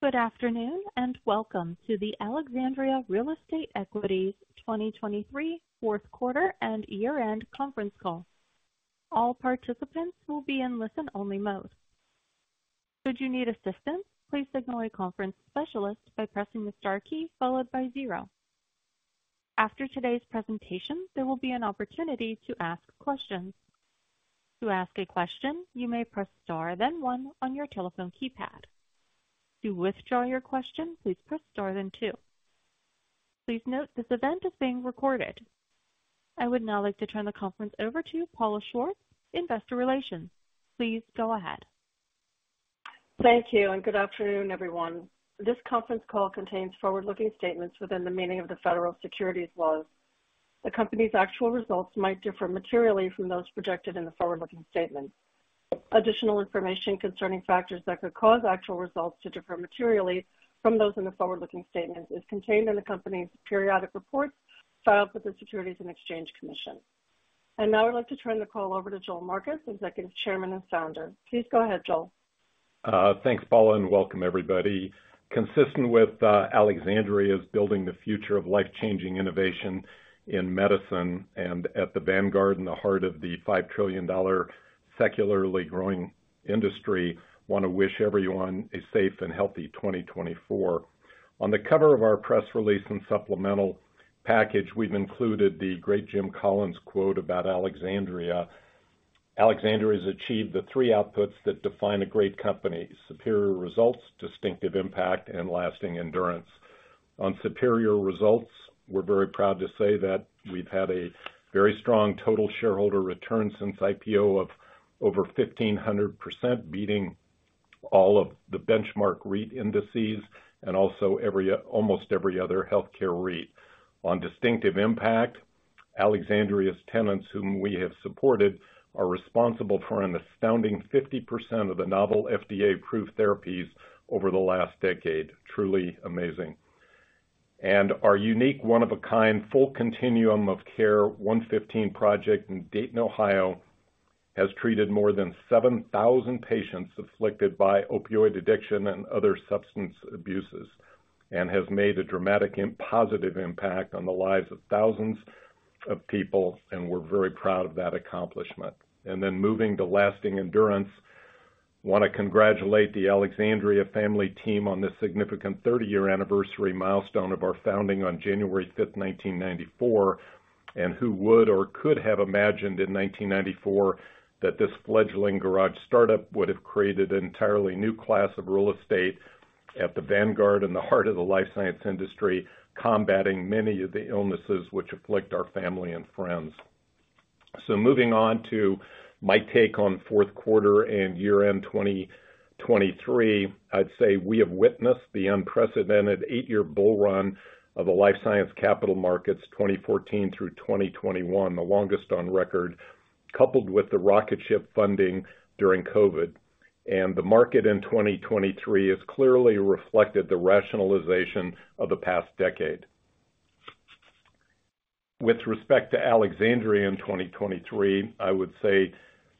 Good afternoon, and welcome to the Alexandria Real Estate Equities 2023 fourth quarter and year-end conference call. All participants will be in listen-only mode. Should you need assistance, please signal a conference specialist by pressing the star key followed by zero. After today's presentation, there will be an opportunity to ask questions. To ask a question, you may press star, then one on your telephone keypad. To withdraw your question, please press star then two. Please note, this event is being recorded. I would now like to turn the conference over to Paula Schwartz, Investor Relations. Please go ahead. Thank you, and good afternoon, everyone. This conference call contains forward-looking statements within the meaning of the federal securities laws. The company's actual results might differ materially from those projected in the forward-looking statements. Additional information concerning factors that could cause actual results to differ materially from those in the forward-looking statements is contained in the company's periodic reports filed with the Securities and Exchange Commission. And now I'd like to turn the call over to Joel Marcus, Executive Chairman and Founder. Please go ahead, Joel. Thanks, Paula, and welcome everybody. Consistent with Alexandria's building the future of life-changing innovation in medicine and at the vanguard, in the heart of the $5 trillion secularly growing industry, want to wish everyone a safe and healthy 2024. On the cover of our press release and supplemental package, we've included the great Jim Collins quote about Alexandria. Alexandria has achieved the three outputs that define a great company, superior results, distinctive impact, and lasting endurance. On superior results, we're very proud to say that we've had a very strong total shareholder return since IPO of over 1,500%, beating all of the benchmark REIT indices and also every, almost every other healthcare REIT. On distinctive impact, Alexandria's tenants, whom we have supported, are responsible for an astounding 50% of the novel FDA-approved therapies over the last decade. Truly amazing. Our unique, one-of-a-kind, full continuum of care, OneFifteen project in Dayton, Ohio, has treated more than 7,000 patients afflicted by opioid addiction and other substance abuses, and has made a dramatic and positive impact on the lives of thousands of people, and we're very proud of that accomplishment. Moving to lasting endurance, want to congratulate the Alexandria family team on this significant 30-year anniversary milestone of our founding on January 5th, 1994, and who would or could have imagined in 1994 that this fledgling garage startup would have created an entirely new class of real estate at the vanguard in the heart of the life science industry, combating many of the illnesses which afflict our family and friends. So moving on to my take on fourth quarter and year end 2023, I'd say we have witnessed the unprecedented eight-year bull run of the life science capital markets, 2014 through 2021, the longest on record, coupled with the rocket ship funding during COVID. The market in 2023 has clearly reflected the rationalization of the past decade. With respect to Alexandria in 2023, I would say,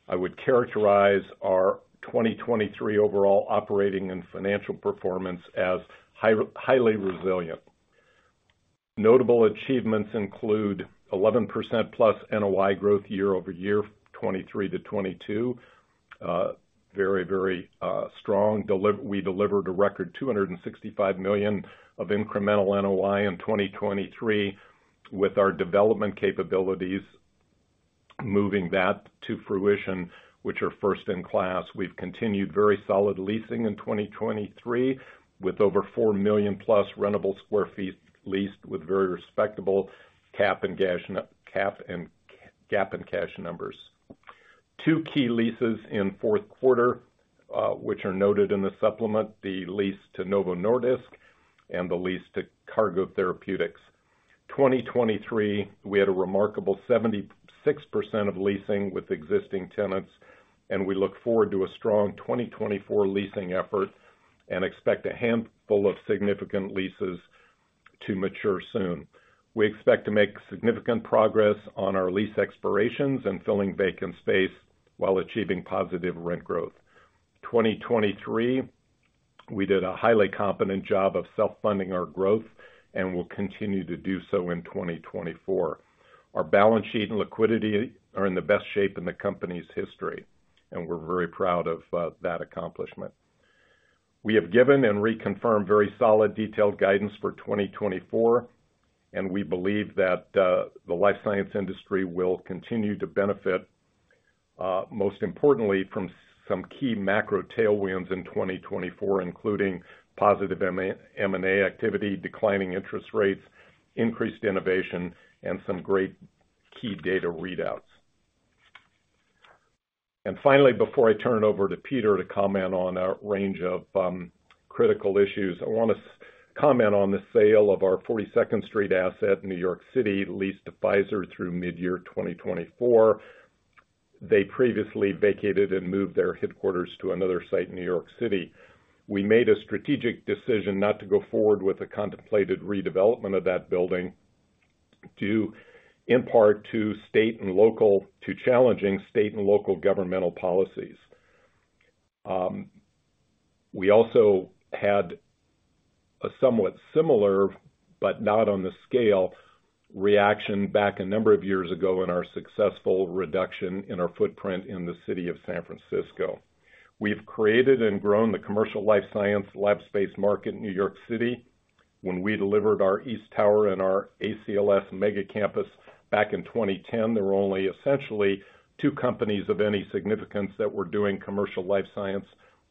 I would characterize our 2023 overall operating and financial performance as high, highly resilient. Notable achievements include 11%+ NOI growth year-over-year, 2023 to 2022. Very, very, strong. We delivered a record $265 million of incremental NOI in 2023, with our development capabilities, moving that to fruition, which are first-in-class. We've continued very solid leasing in 2023, with over 4 million+ rentable sq ft leased with very respectable G and cash numbers. Two key leases in fourth quarter, which are noted in the supplement, the lease to Novo Nordisk and the lease to Cargo Therapeutics. 2023, we had a remarkable 76% of leasing with existing tenants, and we look forward to a strong 2024 leasing effort and expect a handful of significant leases to mature soon. We expect to make significant progress on our lease expirations and filling vacant space while achieving positive rent growth. 2023, we did a highly competent job of self-funding our growth and will continue to do so in 2024. Our balance sheet and liquidity are in the best shape in the company's history, and we're very proud of that accomplishment. We have given and reconfirmed very solid, detailed guidance for 2024, and we believe that the life science industry will continue to benefit, most importantly, from some key macro tailwinds in 2024, including positive M&A activity, declining interest rates, increased innovation, and some great key data readouts. And finally, before I turn it over to Peter to comment on a range of critical issues, I want to comment on the sale of our 42nd Street asset in New York City, leased to Pfizer through mid-2024. They previously vacated and moved their headquarters to another site in New York City. We made a strategic decision not to go forward with the contemplated redevelopment of that building due in part to challenging state and local governmental policies. We also had a somewhat similar, but not on the scale, reaction back a number of years ago in our successful reduction in our footprint in the city of San Francisco. We've created and grown the commercial life science lab space market in New York City. When we delivered our East Tower and our ACLS mega campus back in 2010, there were only essentially two companies of any significance that were doing commercial life science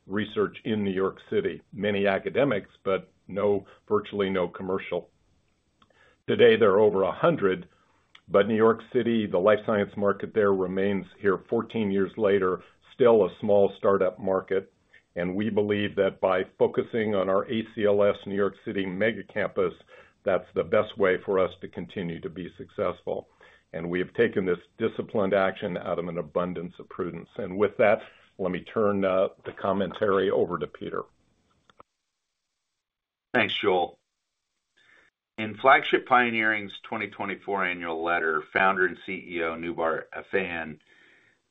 research in New York City. Many academics, but virtually no commercial. Today, there are over 100, but New York City, the life science market there remains here 14 years later, still a small start-up market, and we believe that by focusing on our ACLS, New York City mega campus, that's the best way for us to continue to be successful. We have taken this disciplined action out of an abundance of prudence. With that, let me turn the commentary over to Peter. Thanks, Joel. In Flagship Pioneering's 2024 annual letter, founder and CEO, Noubar Afeyan,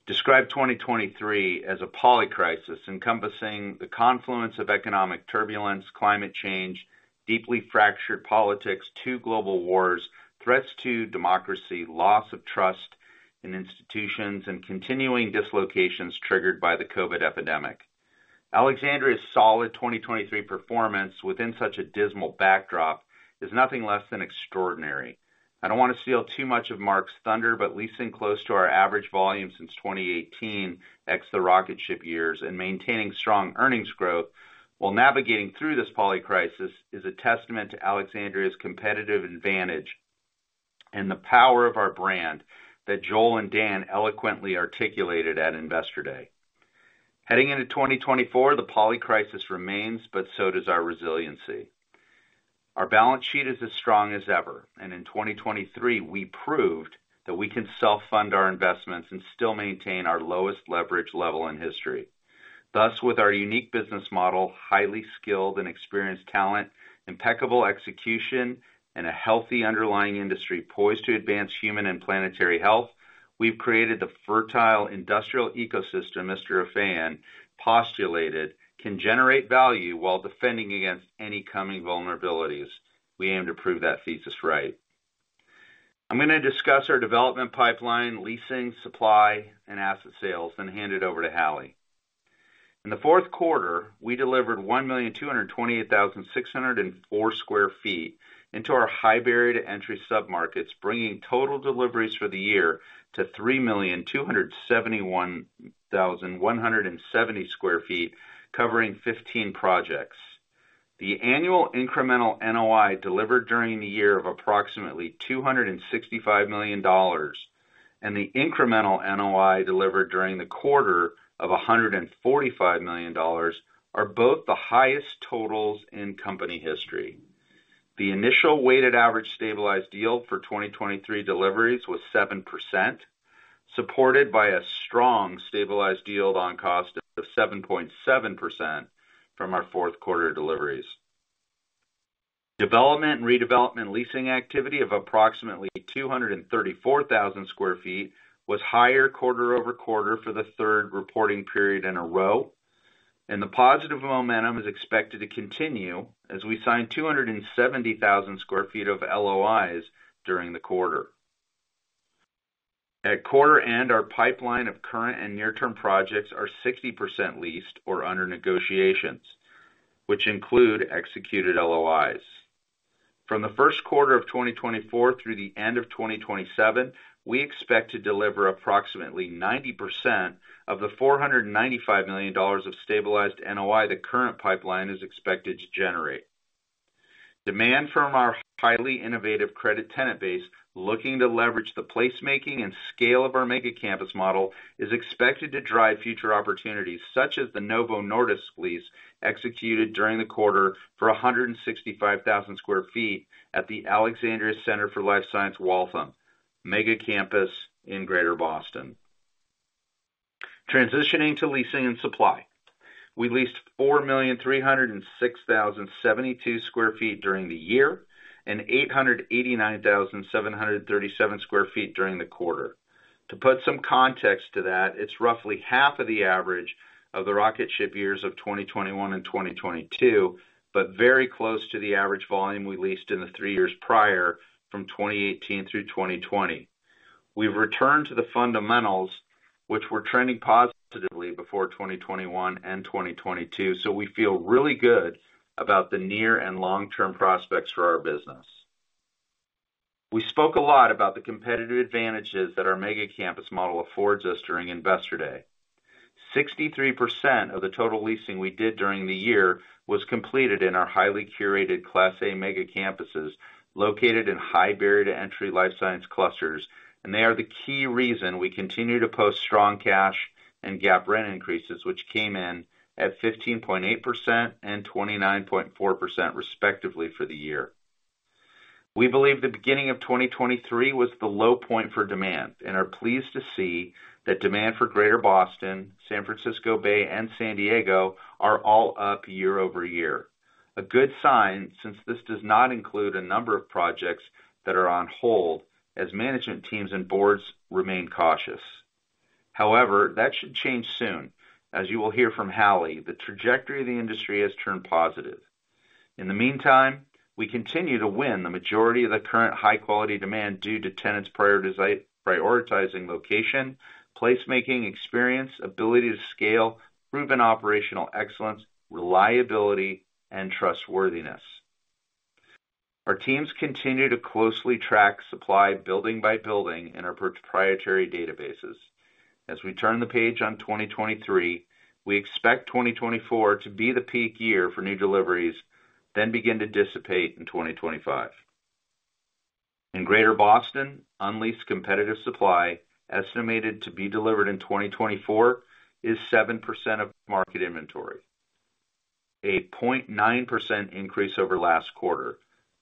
described 2023 as a polycrisis, encompassing the confluence of economic turbulence, climate change, deeply fractured politics, two global wars, threats to democracy, loss of trust in institutions, and continuing dislocations triggered by the COVID epidemic. Alexandria's solid 2023 performance within such a dismal backdrop is nothing less than extraordinary. I don't want to steal too much of Marc's thunder, but leasing close to our average volume since 2018, ex the rocket ship years, and maintaining strong earnings growth while navigating through this polycrisis, is a testament to Alexandria's competitive advantage and the power of our brand that Joel and Dan eloquently articulated at Investor Day. Heading into 2024, the polycrisis remains, but so does our resiliency. Our balance sheet is as strong as ever, and in 2023, we proved that we can self-fund our investments and still maintain our lowest leverage level in history. Thus, with our unique business model, highly skilled and experienced talent, impeccable execution, and a healthy underlying industry poised to advance human and planetary health, we've created the fertile industrial ecosystem Mr. Afeyan postulated can generate value while defending against any coming vulnerabilities. We aim to prove that thesis right. I'm going to discuss our development pipeline, leasing, supply, and asset sales, then hand it over to Hallie. In the fourth quarter, we delivered 1,228,604 sq ft into our high barrier to entry submarkets, bringing total deliveries for the year to 3,271,170 sq ft, covering 15 projects. The annual incremental NOI delivered during the year of approximately $265 million, and the incremental NOI delivered during the quarter of $145 million, are both the highest totals in company history. The initial weighted average stabilized yield for 2023 deliveries was 7%, supported by a strong stabilized yield on cost of 7.7% from our fourth quarter deliveries. Development and redevelopment leasing activity of approximately 234,000 sq ft was higher quarter-over-quarter for the third reporting period in a row, and the positive momentum is expected to continue as we signed 270,000 sq ft of LOIs during the quarter. At quarter end, our pipeline of current and near-term projects are 60% leased or under negotiations, which include executed LOIs. From the first quarter of 2024 through the end of 2027, we expect to deliver approximately 90% of the $495 million of stabilized NOI the current pipeline is expected to generate. Demand from our highly innovative credit tenant base, looking to leverage the placemaking and scale of our mega campus model, is expected to drive future opportunities, such as the Novo Nordisk lease, executed during the quarter for 165,000 sq ft at the Alexandria Center for Life Science Waltham mega campus in Greater Boston. Transitioning to leasing and supply. We leased 4,306,072 sq ft during the year, and 889,737 sq ft during the quarter. To put some context to that, it's roughly half of the average of the rocket ship years of 2021 and 2022, but very close to the average volume we leased in the three years prior, from 2018 through 2020. We've returned to the fundamentals, which were trending positively before 2021 and 2022, so we feel really good about the near and long-term prospects for our business. We spoke a lot about the competitive advantages that our mega campus model affords us during Investor Day. 63% of the total leasing we did during the year was completed in our highly curated Class A mega campuses, located in high barrier to entry life science clusters, and they are the key reason we continue to post strong cash and GAAP rent increases, which came in at 15.8% and 29.4%, respectively, for the year. We believe the beginning of 2023 was the low point for demand and are pleased to see that demand for Greater Boston, San Francisco Bay, and San Diego are all up year-over-year. A good sign, since this does not include a number of projects that are on hold as management teams and boards remain cautious. However, that should change soon. As you will hear from Hallie, the trajectory of the industry has turned positive. In the meantime, we continue to win the majority of the current high-quality demand due to tenants prioritizing location, placemaking experience, ability to scale, proven operational excellence, reliability, and trustworthiness. Our teams continue to closely track supply, building by building in our proprietary databases. As we turn the page on 2023, we expect 2024 to be the peak year for new deliveries, then begin to dissipate in 2025. In Greater Boston, unleased competitive supply, estimated to be delivered in 2024, is 7% of market inventory, a 0.9% increase over last quarter,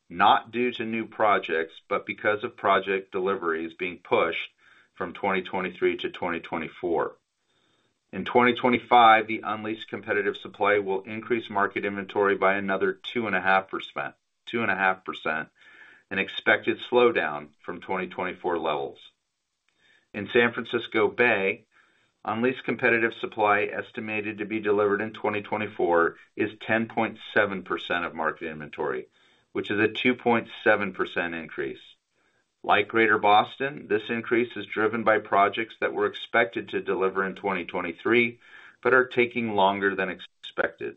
not due to new projects, but because of project deliveries being pushed from 2023 to 2024. In 2025, the unleased competitive supply will increase market inventory by another 2.5%, 2.5%, an expected slowdown from 2024 levels. In San Francisco Bay, unleased competitive supply, estimated to be delivered in 2024, is 10.7% of market inventory, which is a 2.7% increase. Like Greater Boston, this increase is driven by projects that were expected to deliver in 2023, but are taking longer than expected.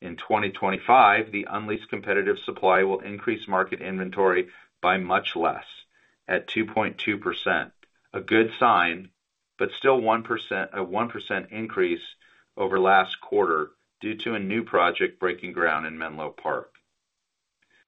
In 2025, the unleased competitive supply will increase market inventory by much less, at 2.2%. A good sign, but still 1% - a 1% increase over last quarter due to a new project breaking ground in Menlo Park.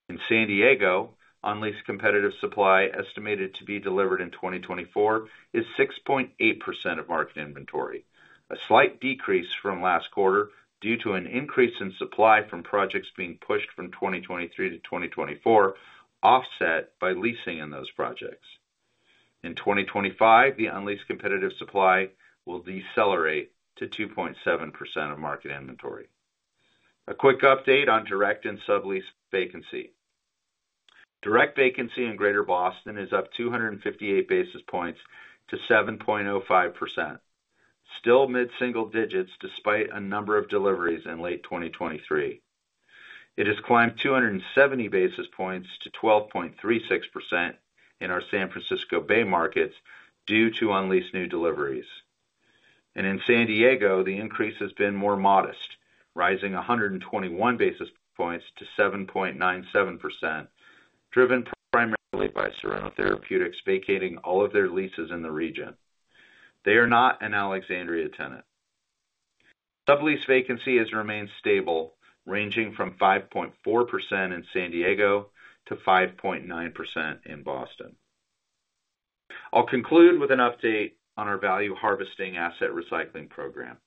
In San Diego, unleased competitive supply, estimated to be delivered in 2024, is 6.8% of market inventory. A slight decrease from last quarter due to an increase in supply from projects being pushed from 2023 to 2024, offset by leasing in those projects. In 2025, the unleased competitive supply will decelerate to 2.7% of market inventory. A quick update on direct and sublease vacancy. Direct vacancy in Greater Boston is up 258 basis points to 7.05%. Still mid-single digits, despite a number of deliveries in late 2023. It has climbed 270 basis points to 12.36% in our San Francisco Bay markets due to unleashed new deliveries. And in San Diego, the increase has been more modest, rising 121 basis points to 7.97%, driven primarily by Sorrento Therapeutics vacating all of their leases in the region. They are not an Alexandria tenant. Sublease vacancy has remained stable, ranging from 5.4% in San Diego to 5.9% in Boston. I'll conclude with an update on our value harvesting asset recycling program.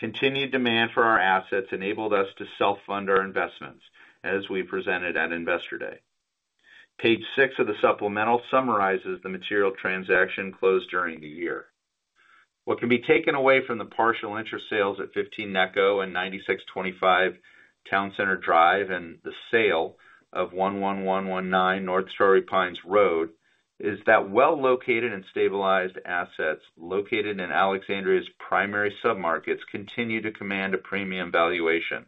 Continued demand for our assets enabled us to self-fund our investments, as we presented at Investor Day. Page six of the supplemental summarizes the material transaction closed during the year. What can be taken away from the partial interest sales at 15 Necco and 9625 Towne Center Drive, and the sale of 11119 North Torrey Pines Road, is that well-located and stabilized assets located in Alexandria's primary submarkets, continue to command a premium valuation.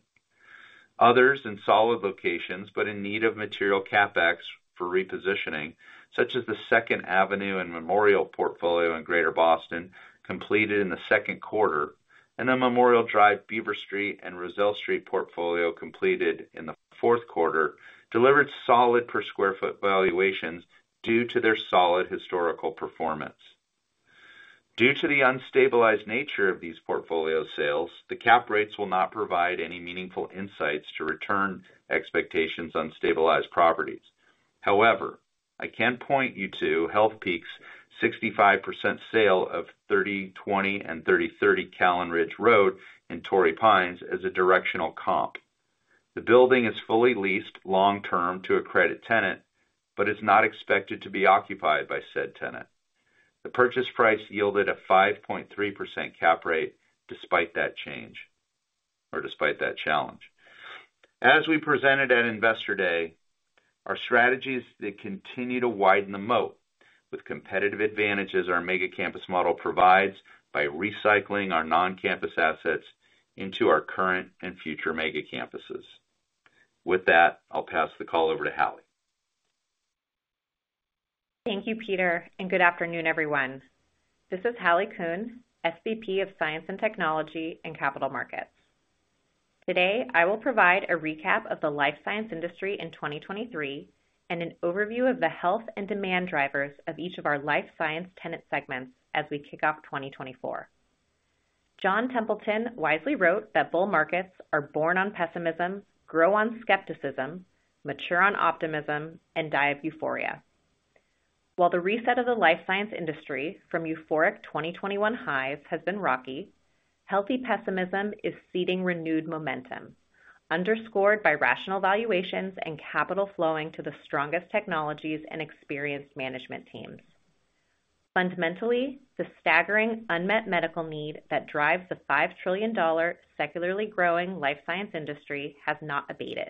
Others in solid locations, but in need of material CapEx for repositioning, such as the Second Avenue and Memorial portfolio in Greater Boston, completed in the second quarter, and the Memorial Drive, Beaver Street, and Russell Street portfolio completed in the fourth quarter, delivered solid per square foot valuations due to their solid historical performance. Due to the unstabilized nature of these portfolio sales, the cap rates will not provide any meaningful insights to return expectations on stabilized properties. However, I can point you to Healthpeak's 65% sale of 3020 and 3030 Callan Ridge Road in Torrey Pines as a directional comp. The building is fully leased long-term to a credit tenant, but is not expected to be occupied by said tenant. The purchase price yielded a 5.3% cap rate despite that change, or despite that challenge. As we presented at Investor Day, our strategy is to continue to widen the moat with competitive advantages our mega-campus model provides by recycling our non-campus assets into our current and future mega campuses. With that, I'll pass the call over to Hallie. Thank you, Peter, and good afternoon, everyone. This is Hallie Kuhn, SVP of Science and Technology and Capital Markets. Today, I will provide a recap of the life science industry in 2023, and an overview of the health and demand drivers of each of our life science tenant segments as we kick off 2024. John Templeton wisely wrote that, "Bull markets are born on pessimism, grow on skepticism, mature on optimism, and die of euphoria." While the reset of the life science industry from euphoric 2021 highs has been rocky, healthy pessimism is seeding renewed momentum, underscored by rational valuations and capital flowing to the strongest technologies and experienced management teams.... Fundamentally, the staggering unmet medical need that drives the $5 trillion secularly growing life science industry has not abated,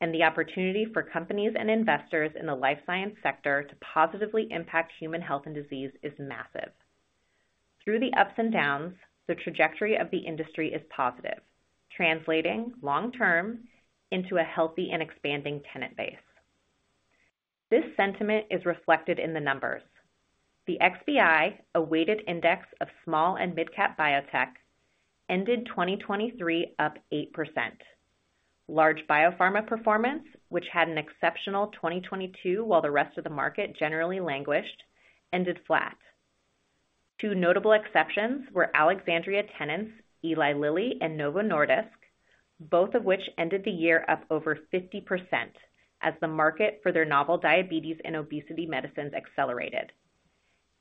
and the opportunity for companies and investors in the life science sector to positively impact human health and disease is massive. Through the ups and downs, the trajectory of the industry is positive, translating long term into a healthy and expanding tenant base. This sentiment is reflected in the numbers. The XBI, a weighted index of small and mid-cap biotech, ended 2023 up 8%. Large biopharma performance, which had an exceptional 2022, while the rest of the market generally languished, ended flat. Two notable exceptions were Alexandria tenants, Eli Lilly and Novo Nordisk, both of which ended the year up over 50% as the market for their novel diabetes and obesity medicines accelerated.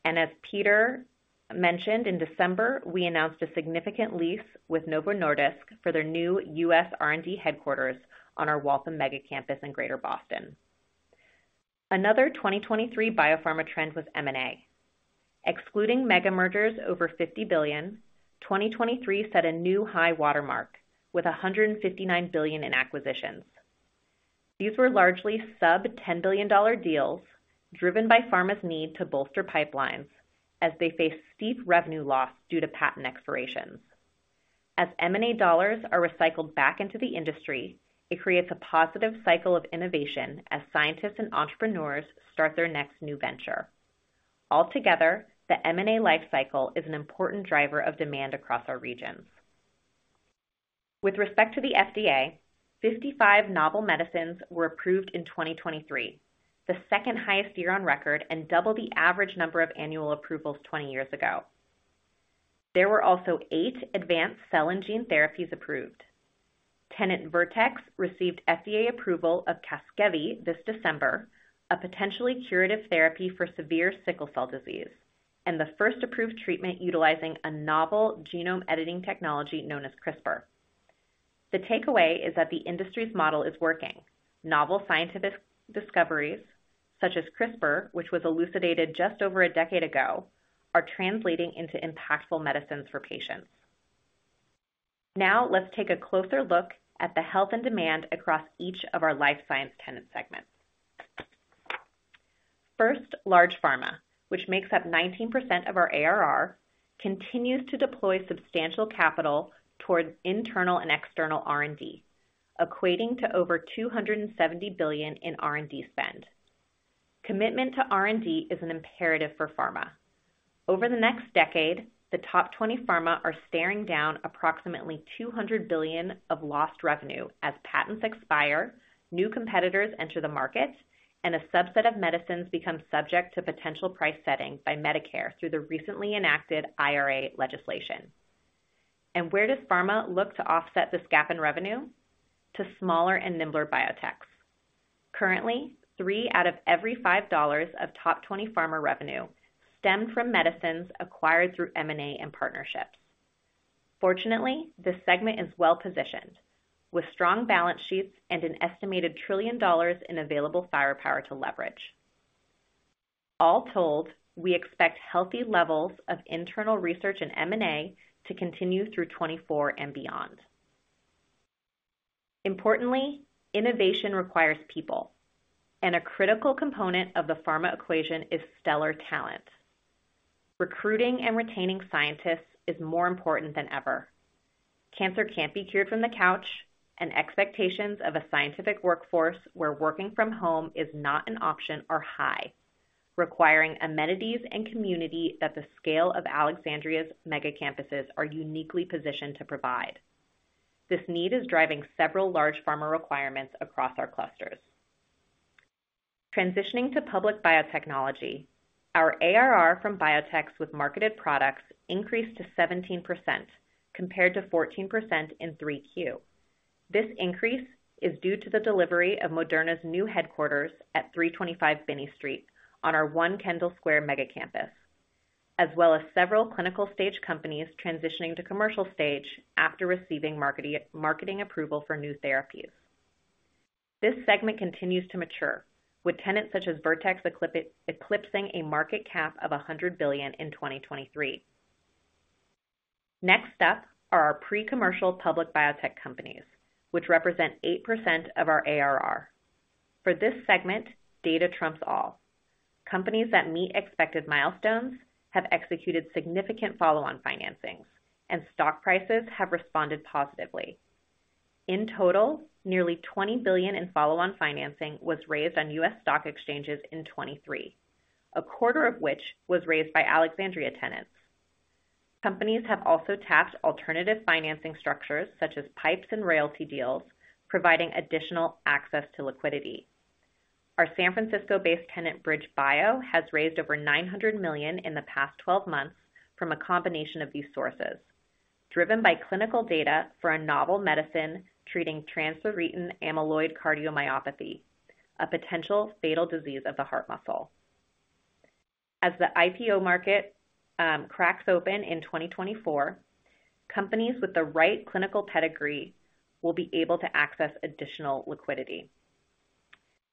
As Peter mentioned, in December, we announced a significant lease with Novo Nordisk for their new U.S. R&D headquarters on our Waltham Mega Campus in Greater Boston. Another 2023 biopharma trend was M&A. Excluding mega mergers over $50 billion, 2023 set a new high watermark with $159 billion in acquisitions. These were largely sub-$10 billion deals, driven by pharma's need to bolster pipelines as they face steep revenue loss due to patent expirations. As M&A dollars are recycled back into the industry, it creates a positive cycle of innovation as scientists and entrepreneurs start their next new venture. Altogether, the M&A life cycle is an important driver of demand across our regions. With respect to the FDA, 55 novel medicines were approved in 2023, the second highest year on record, and double the average number of annual approvals 20 years ago. There were also eight advanced cell and gene therapies approved. Tenant Vertex received FDA approval of CASGEVY this December, a potentially curative therapy for severe sickle cell disease, and the first approved treatment utilizing a novel genome editing technology known as CRISPR. The takeaway is that the industry's model is working. Novel scientific discoveries, such as CRISPR, which was elucidated just over a decade ago, are translating into impactful medicines for patients. Now, let's take a closer look at the health and demand across each of our life science tenant segments. First, large pharma, which makes up 19% of our ARR, continues to deploy substantial capital towards internal and external R&D, equating to over $270 billion in R&D spend. Commitment to R&D is an imperative for pharma. Over the next decade, the top 20 pharma are staring down approximately $200 billion of lost revenue as patents expire, new competitors enter the market, and a subset of medicines become subject to potential price setting by Medicare through the recently enacted IRA legislation. And where does pharma look to offset this gap in revenue? To smaller and nimbler biotechs. Currently, three out of every five dollars of top 20 pharma revenue, stem from medicines acquired through M&A and partnerships. Fortunately, this segment is well positioned, with strong balance sheets and an estimated $1 trillion in available firepower to leverage. All told, we expect healthy levels of internal research and M&A to continue through 2024 and beyond. Importantly, innovation requires people, and a critical component of the pharma equation is stellar talent. Recruiting and retaining scientists is more important than ever. Cancer can't be cured from the couch, and expectations of a scientific workforce where working from home is not an option are high, requiring amenities and community that the scale of Alexandria's mega campuses are uniquely positioned to provide. This need is driving several large pharma requirements across our clusters. Transitioning to public biotechnology, our ARR from biotechs with marketed products increased to 17%, compared to 14% in Q3. This increase is due to the delivery of Moderna's new headquarters at 325 Binney Street on our One Kendall Square mega campus, as well as several clinical stage companies transitioning to commercial stage after receiving marketing approval for new therapies. This segment continues to mature, with tenants such as Vertex eclipsing a market cap of $100 billion in 2023. Next up are our pre-commercial public biotech companies, which represent 8% of our ARR. For this segment, data trumps all. Companies that meet expected milestones have executed significant follow-on financings, and stock prices have responded positively. In total, nearly $20 billion in follow-on financing was raised on U.S. stock exchanges in 2023, a quarter of which was raised by Alexandria tenants. Companies have also tapped alternative financing structures such as PIPEs and royalty deals, providing additional access to liquidity. Our San Francisco-based tenant, BridgeBio, has raised over $900 million in the past 12 months from a combination of these sources, driven by clinical data for a novel medicine treating transthyretin amyloid cardiomyopathy, a potential fatal disease of the heart muscle. As the IPO market cracks open in 2024, companies with the right clinical pedigree will be able to access additional liquidity.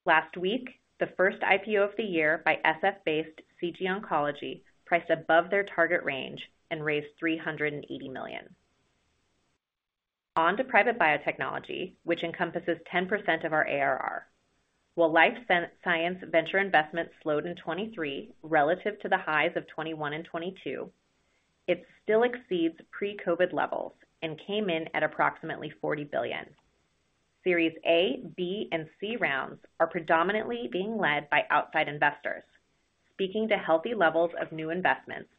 Last week, the first IPO of the year by SF-based CG Oncology priced above their target range and raised $380 million. On to private biotechnology, which encompasses 10% of our ARR. While life science venture investments slowed in 2023 relative to the highs of 2021 and 2022, it still exceeds pre-COVID levels and came in at approximately $40 billion. Series A, B, and C rounds are predominantly being led by outside investors, speaking to healthy levels of new investments,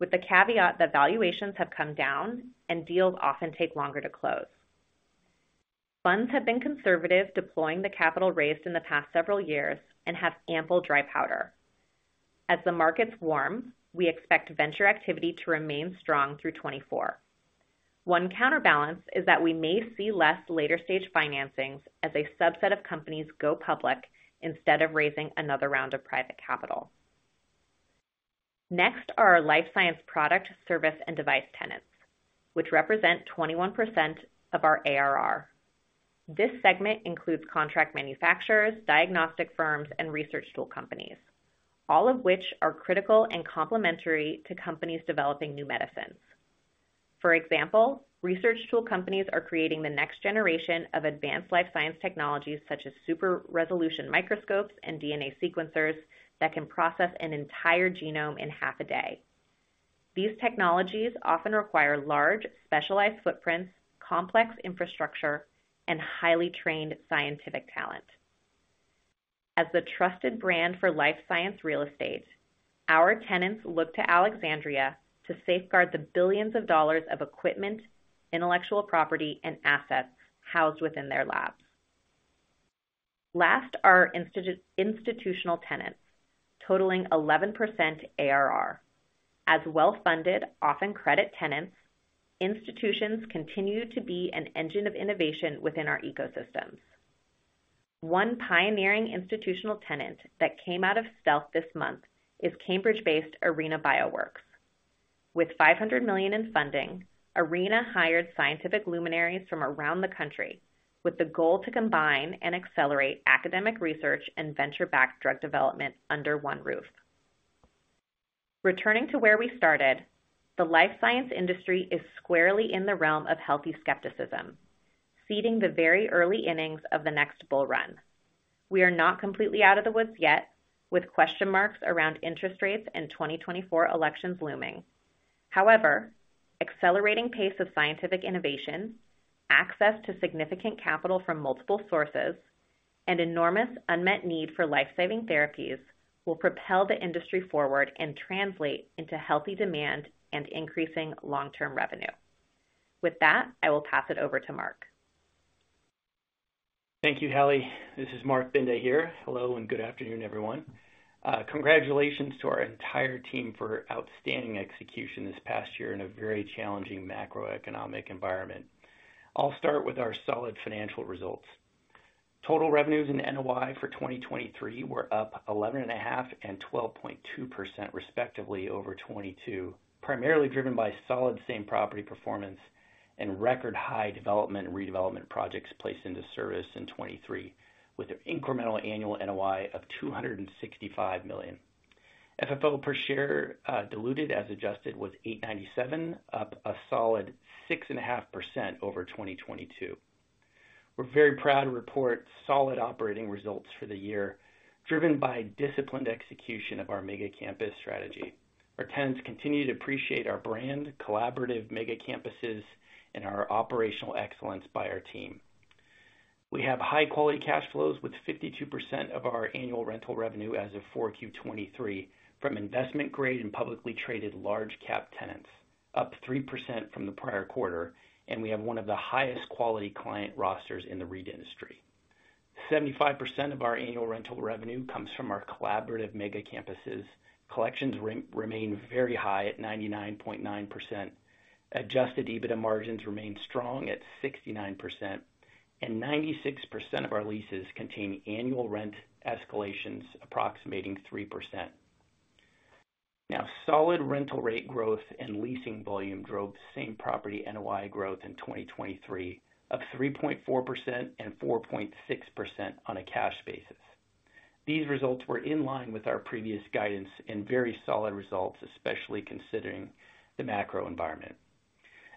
with the caveat that valuations have come down and deals often take longer to close. Funds have been conservative, deploying the capital raised in the past several years and have ample dry powder. As the markets warm, we expect venture activity to remain strong through 2024. One counterbalance is that we may see less later stage financings as a subset of companies go public instead of raising another round of private capital. Next, are our life science product, service, and device tenants, which represent 21% of our ARR. This segment includes contract manufacturers, diagnostic firms, and research tool companies, all of which are critical and complementary to companies developing new medicines. For example, research tool companies are creating the next generation of advanced life science technologies, such as super resolution microscopes and DNA sequencers that can process an entire genome in half a day. These technologies often require large, specialized footprints, complex infrastructure, and highly trained scientific talent. As the trusted brand for life science real estate, our tenants look to Alexandria to safeguard the billions of dollars of equipment, intellectual property, and assets housed within their labs. Last are institutional tenants, totaling 11% ARR. As well-funded, often credit tenants, institutions continue to be an engine of innovation within our ecosystems. One pioneering institutional tenant that came out of stealth this month is Cambridge-based Arena BioWorks. With $500 million in funding, Arena hired scientific luminaries from around the country, with the goal to combine and accelerate academic research and venture-backed drug development under one roof. Returning to where we started, the life science industry is squarely in the realm of healthy skepticism, seeding the very early innings of the next bull run. We are not completely out of the woods yet, with question marks around interest rates and 2024 elections looming. However, accelerating pace of scientific innovation, access to significant capital from multiple sources, and enormous unmet need for life-saving therapies will propel the industry forward and translate into healthy demand and increasing long-term revenue. With that, I will pass it over to Marc. Thank you, Hallie. This is Marc Binda here. Hello, and good afternoon, everyone. Congratulations to our entire team for outstanding execution this past year in a very challenging macroeconomic environment. I'll start with our solid financial results. Total revenues and NOI for 2023 were up 11.5% and 12.2%, respectively, over 2022, primarily driven by solid same property performance and record high development and redevelopment projects placed into service in 2023, with an incremental annual NOI of $265 million. FFO per share, diluted as adjusted, was $8.97, up a solid 6.5% over 2022. We're very proud to report solid operating results for the year, driven by disciplined execution of our mega campus strategy. Our tenants continue to appreciate our brand, collaborative mega campuses, and our operational excellence by our team. We have high quality cash flows, with 52% of our annual rental revenue as of 4Q 2023 from investment grade and publicly traded large cap tenants, up 3% from the prior quarter, and we have one of the highest quality client rosters in the REIT industry. 75% of our annual rental revenue comes from our collaborative mega campuses. Collections remain very high at 99.9%. Adjusted EBITDA margins remain strong at 69%, and 96% of our leases contain annual rent escalations approximating 3%. Now, solid rental rate growth and leasing volume drove same property NOI growth in 2023, up 3.4% and 4.6% on a cash basis. These results were in line with our previous guidance and very solid results, especially considering the macro environment.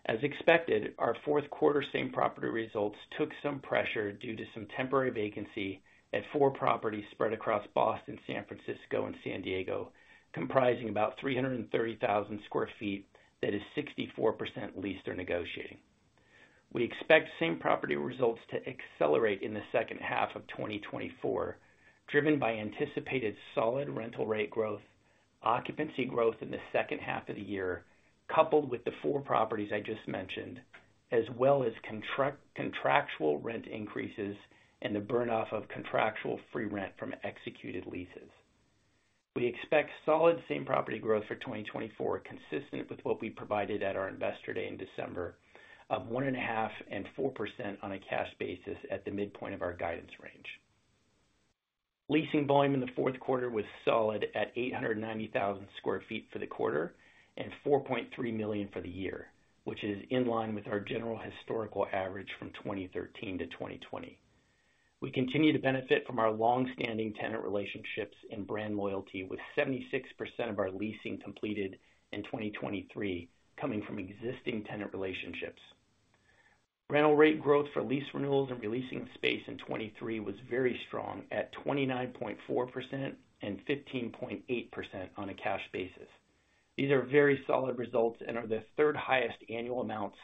As expected, our fourth quarter same property results took some pressure due to some temporary vacancy at four properties spread across Boston, San Francisco, and San Diego, comprising about 330,000 sq ft, that is 64% leased or negotiating. We expect same property results to accelerate in the second half of 2024, driven by anticipated solid rental rate growth, occupancy growth in the second half of the year, coupled with the four properties I just mentioned, as well as contractual rent increases and the burn off of contractual free rent from executed leases. We expect solid same property growth for 2024, consistent with what we provided at our Investor Day in December, of 1.5% and 4% on a cash basis at the midpoint of our guidance range. Leasing volume in the fourth quarter was solid at 890,000 sq ft for the quarter and 4.3 million sq ft for the year, which is in line with our general historical average from 2013 to 2020. We continue to benefit from our long-standing tenant relationships and brand loyalty, with 76% of our leasing completed in 2023 coming from existing tenant relationships. Rental rate growth for lease renewals and re-leasing space in 2023 was very strong at 29.4% and 15.8% on a cash basis. These are very solid results and are the third highest annual amounts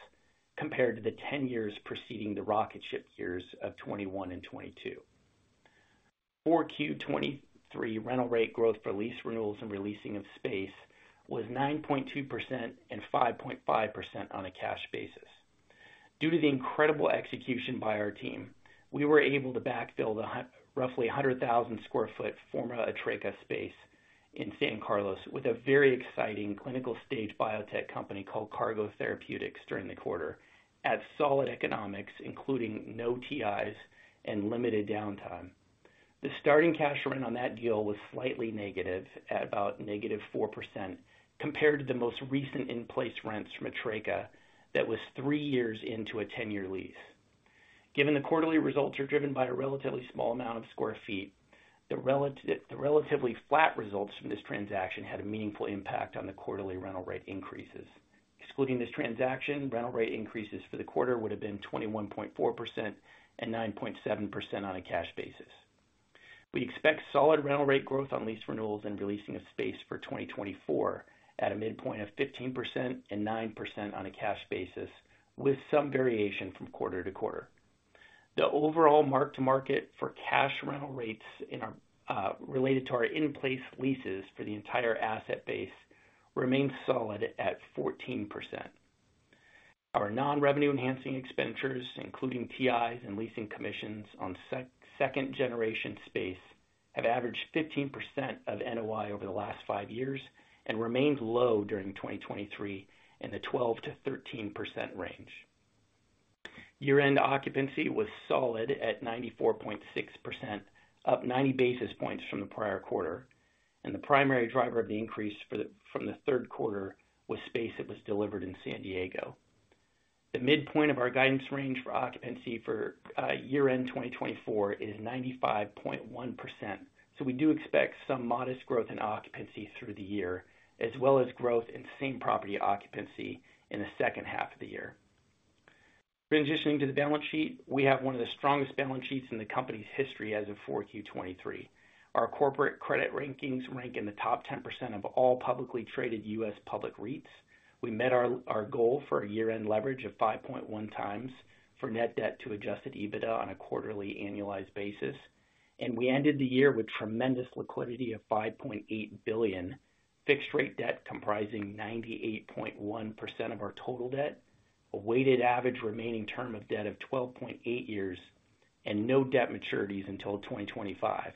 compared to the 10 years preceding the rocket ship years of 2021 and 2022. For Q23, rental rate growth for lease renewals and re-leasing of space was 9.2% and 5.5% on a cash basis. Due to the incredible execution by our team, we were able to backfill the roughly 100,000 sq ft former Atreca space in San Carlos with a very exciting clinical stage biotech company called Cargo Therapeutics during the quarter, at solid economics, including no TIs and limited downtime. The starting cash rent on that deal was slightly negative at about -4% compared to the most recent in-place rents from Atreca that was three years into a 10-year lease. Given the quarterly results are driven by a relatively small amount of square feet, the relatively flat results from this transaction had a meaningful impact on the quarterly rental rate increases. Excluding this transaction, rental rate increases for the quarter would have been 21.4% and 9.7% on a cash basis. We expect solid rental rate growth on lease renewals and re-leasing of space for 2024 at a midpoint of 15% and 9% on a cash basis, with some variation from quarter to quarter. The overall mark-to-market for cash rental rates in our related to our in-place leases for the entire asset base remains solid at 14%. Our non-revenue enhancing expenditures, including TIs and leasing commissions on second generation space, have averaged 15% of NOI over the last five years and remained low during 2023 in the 12%-13% range. Year-end occupancy was solid at 94.6%, up 90 basis points from the prior quarter, and the primary driver of the increase from the third quarter was space that was delivered in San Diego. The midpoint of our guidance range for occupancy for year-end 2024 is 95.1%. So we do expect some modest growth in occupancy through the year, as well as growth in same property occupancy in the second half of the year. Transitioning to the balance sheet, we have one of the strongest balance sheets in the company's history as of 4Q 2023. Our corporate credit rankings rank in the top 10% of all publicly traded U.S. public REITs. We met our goal for a year-end leverage of 5.1x net debt to adjusted EBITDA on a quarterly annualized basis. We ended the year with tremendous liquidity of $5.8 billion, fixed rate debt comprising 98.1% of our total debt, a weighted average remaining term of debt of 12.8 years, and no debt maturities until 2025.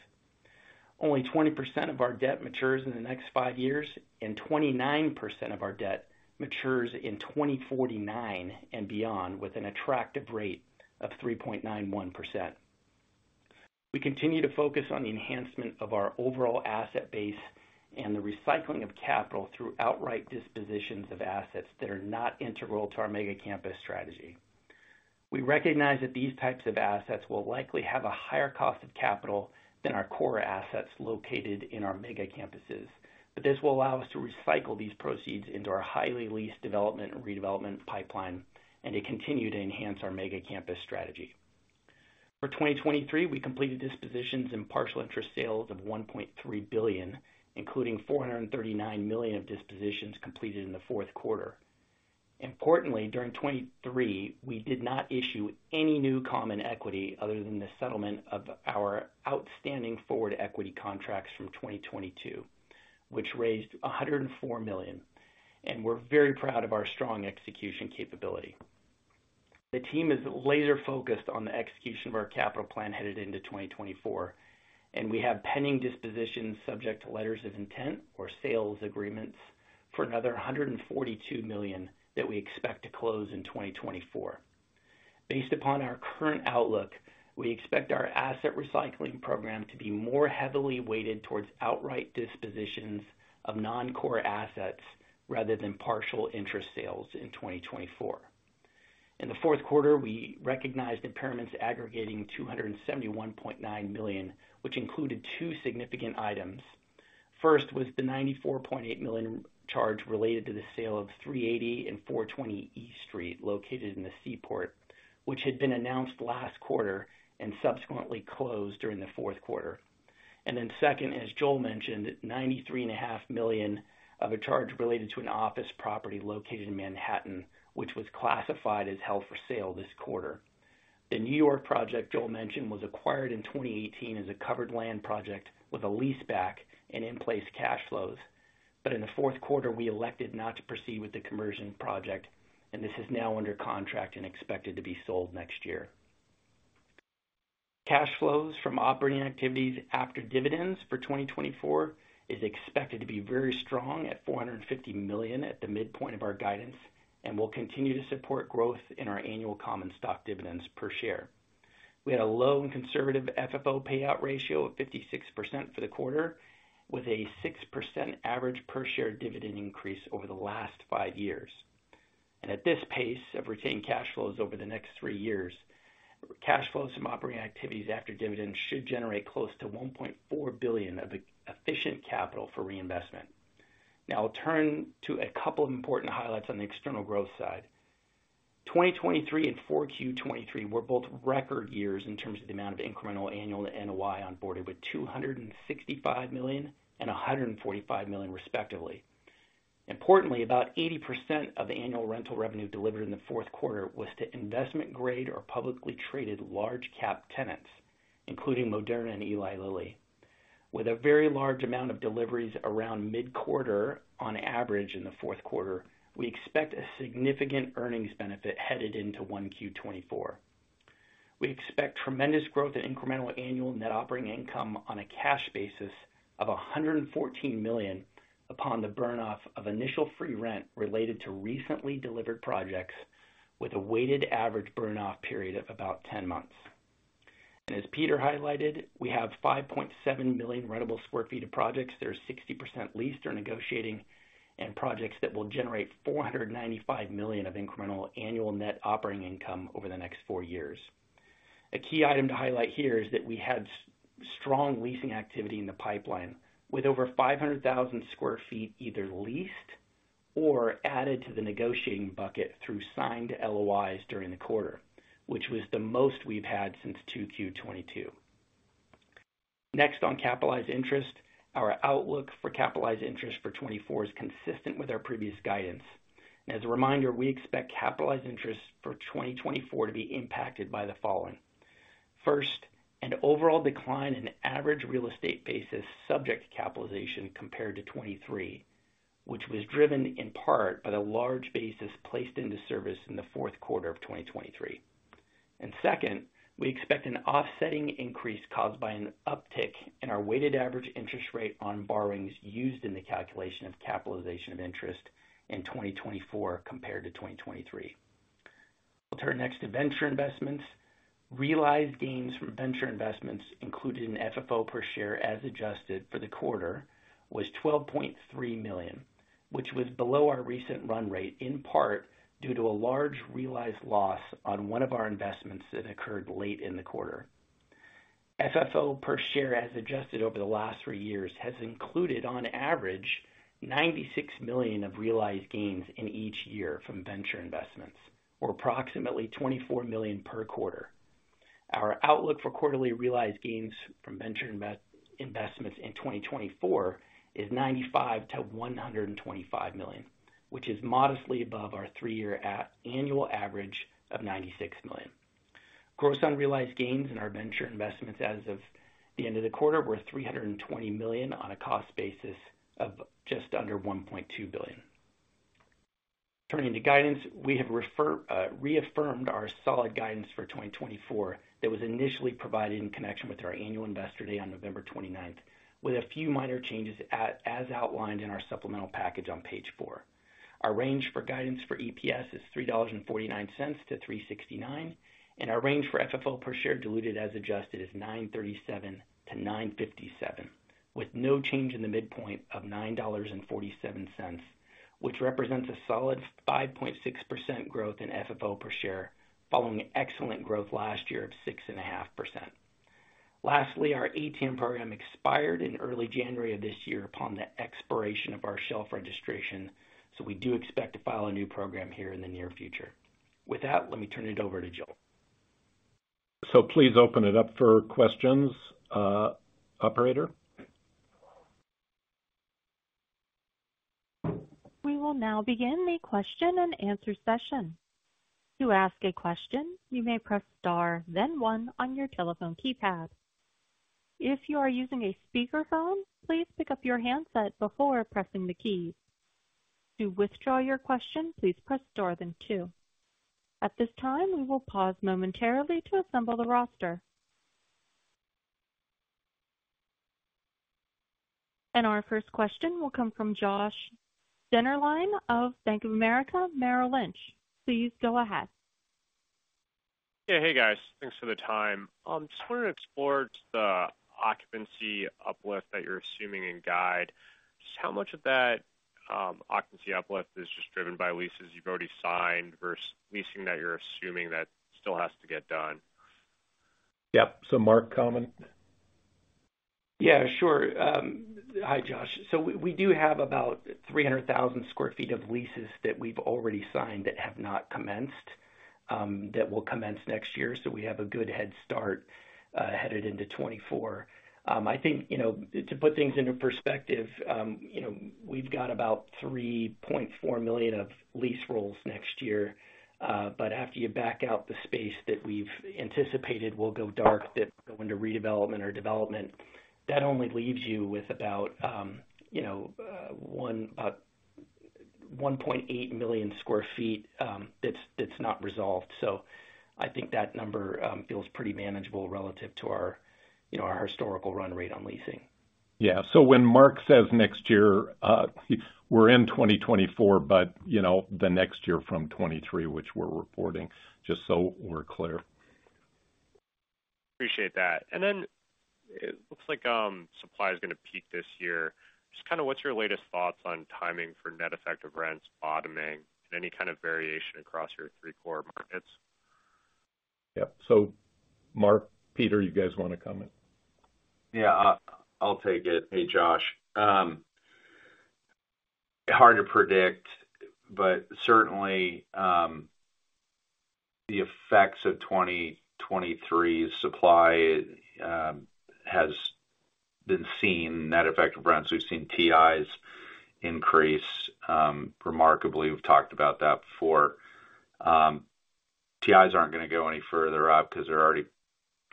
Only 20% of our debt matures in the next five years, and 29% of our debt matures in 2049 and beyond, with an attractive rate of 3.91%. We continue to focus on the enhancement of our overall asset base and the recycling of capital through outright dispositions of assets that are not integral to our mega campus strategy. We recognize that these types of assets will likely have a higher cost of capital than our core assets located in our mega campuses, but this will allow us to recycle these proceeds into our highly leased development and redevelopment pipeline, and to continue to enhance our mega campus strategy. For 2023, we completed dispositions and partial interest sales of $1.3 billion, including $439 million of dispositions completed in the fourth quarter. Importantly, during 2023, we did not issue any new common equity other than the settlement of our outstanding forward equity contracts from 2022, which raised $104 million, and we're very proud of our strong execution capability. The team is laser focused on the execution of our capital plan headed into 2024, and we have pending dispositions subject to letters of intent or sales agreements for another $142 million that we expect to close in 2024. Based upon our current outlook, we expect our asset recycling program to be more heavily weighted towards outright dispositions of non-core assets rather than partial interest sales in 2024. In the fourth quarter, we recognized impairments aggregating $271.9 million, which included two significant items. First, was the $94.8 million charge related to the sale of 380 and 420 E Street, located in the Seaport, which had been announced last quarter and subsequently closed during the fourth quarter. Then second, as Joel mentioned, $93.5 million of a charge related to an office property located in Manhattan, which was classified as held for sale this quarter. The New York project Joel mentioned was acquired in 2018 as a covered land project with a leaseback and in-place cash flows. But in the fourth quarter, we elected not to proceed with the conversion project, and this is now under contract and expected to be sold next year. Cash flows from operating activities after dividends for 2024 is expected to be very strong at $450 million at the midpoint of our guidance, and will continue to support growth in our annual common stock dividends per share. We had a low and conservative FFO payout ratio of 56% for the quarter, with a 6% average per share dividend increase over the last five years. At this pace of retained cash flows over the next three years, cash flows from operating activities after dividends should generate close to $1.4 billion of efficient capital for reinvestment. Now I'll turn to a couple of important highlights on the external growth side. 2023 and 4Q 2023 were both record years in terms of the amount of incremental annual NOI onboarded, with $265 million and $145 million, respectively. Importantly, about 80% of the annual rental revenue delivered in the fourth quarter was to investment-grade or publicly traded large cap tenants, including Moderna and Eli Lilly. With a very large amount of deliveries around mid-quarter on average in the fourth quarter, we expect a significant earnings benefit headed into 1Q 2024. We expect tremendous growth in incremental annual net operating income on a cash basis of $114 million upon the burn off of initial free rent related to recently delivered projects, with a weighted average burn off period of about 10 months. And as Peter highlighted, we have 5.7 million rentable sq ft of projects that are 60% leased or negotiating, and projects that will generate $495 million of incremental annual net operating income over the next four years. A key item to highlight here is that we had strong leasing activity in the pipeline, with over 500,000 sq ft either leased or added to the negotiating bucket through signed LOIs during the quarter, which was the most we've had since 2Q 2022. Next, on capitalized interest. Our outlook for capitalized interest for 2024 is consistent with our previous guidance. As a reminder, we expect capitalized interest for 2024 to be impacted by the following. First, an overall decline in average real estate basis, subject to capitalization compared to 2023, which was driven in part by the large basis placed into service in the fourth quarter of 2023. Second, we expect an offsetting increase caused by an uptick in our weighted average interest rate on borrowings used in the calculation of capitalization of interest in 2024 compared to 2023. We'll turn next to venture investments. Realized gains from venture investments included in FFO per share, as adjusted for the quarter, was $12.3 million, which was below our recent run rate, in part due to a large realized loss on one of our investments that occurred late in the quarter. FFO per share, as adjusted over the last three years, has included, on average, $96 million of realized gains in each year from venture investments, or approximately $24 million per quarter. Our outlook for quarterly realized gains from venture investments in 2024 is $95 million-$125 million, which is modestly above our three-year annual average of $96 million. Gross unrealized gains in our venture investments as of the end of the quarter were $320 million, on a cost basis of just under $1.2 billion. Turning to guidance, we have reaffirmed our solid guidance for 2024 that was initially provided in connection with our annual Investor Day on November 29th, with a few minor changes, as outlined in our supplemental package on page four. Our range for guidance for EPS is $3.49-$3.69, and our range for FFO per share, diluted as adjusted, is $9.37-$9.57, with no change in the midpoint of $9.47, which represents a solid 5.6% growth in FFO per share, following excellent growth last year of 6.5%. Lastly, our ATM program expired in early January of this year upon the expiration of our shelf registration, so we do expect to file a new program here in the near future. With that, let me turn it over to Joel. Please open it up for questions, operator. We will now begin the question-and-answer session. To ask a question, you may press star, then one on your telephone keypad. If you are using a speakerphone, please pick up your handset before pressing the key. To withdraw your question, please press star then two. At this time, we will pause momentarily to assemble the roster. Our first question will come from Josh Dennerlein of Bank of America Merrill Lynch. Please go ahead. Yeah. Hey, guys. Thanks for the time. Just want to explore the occupancy uplift that you're assuming in guide. Just how much of that occupancy uplift is just driven by leases you've already signed versus leasing that you're assuming that still has to get done? Yep. So, Marc, comment. Yeah, sure. Hi, Josh. So we do have about 300,000 sq ft of leases that we've already signed that have not commenced, that will commence next year. So we have a good head start headed into 2024. I think, you know, to put things into perspective, you know, we've got about 3.4 million of lease rolls next year. But after you back out the space that we've anticipated will go dark, that go into redevelopment or development. That only leaves you with about, you know, 1.8 million sq ft that's not resolved. So I think that number feels pretty manageable relative to our, you know, our historical run rate on leasing.... Yeah. So when Marc says next year, we're in 2024, but, you know, the next year from 2023, which we're reporting, just so we're clear. Appreciate that. And then it looks like, supply is going to peak this year. Just kind of what's your latest thoughts on timing for net effective rents bottoming and any kind of variation across your three core markets? Yeah. So, Marc, Peter, you guys want to comment? Yeah, I, I'll take it. Hey, Josh. Hard to predict, but certainly, the effects of 2023 supply has been seen. Net effect of rents, we've seen TIs increase remarkably. We've talked about that before. TIs aren't going to go any further up because they're already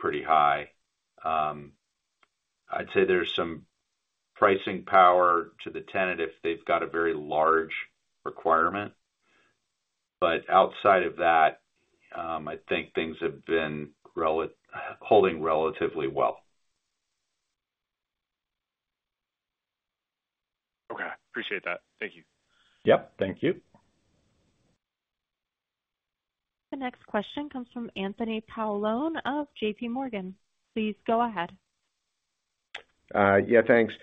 pretty high. I'd say there's some pricing power to the tenant if they've got a very large requirement. But outside of that, I think things have been holding relatively well. Okay, appreciate that. Thank you. Yep, thank you. The next question comes from Anthony Paolone of JPMorgan. Please go ahead. Yeah, thanks.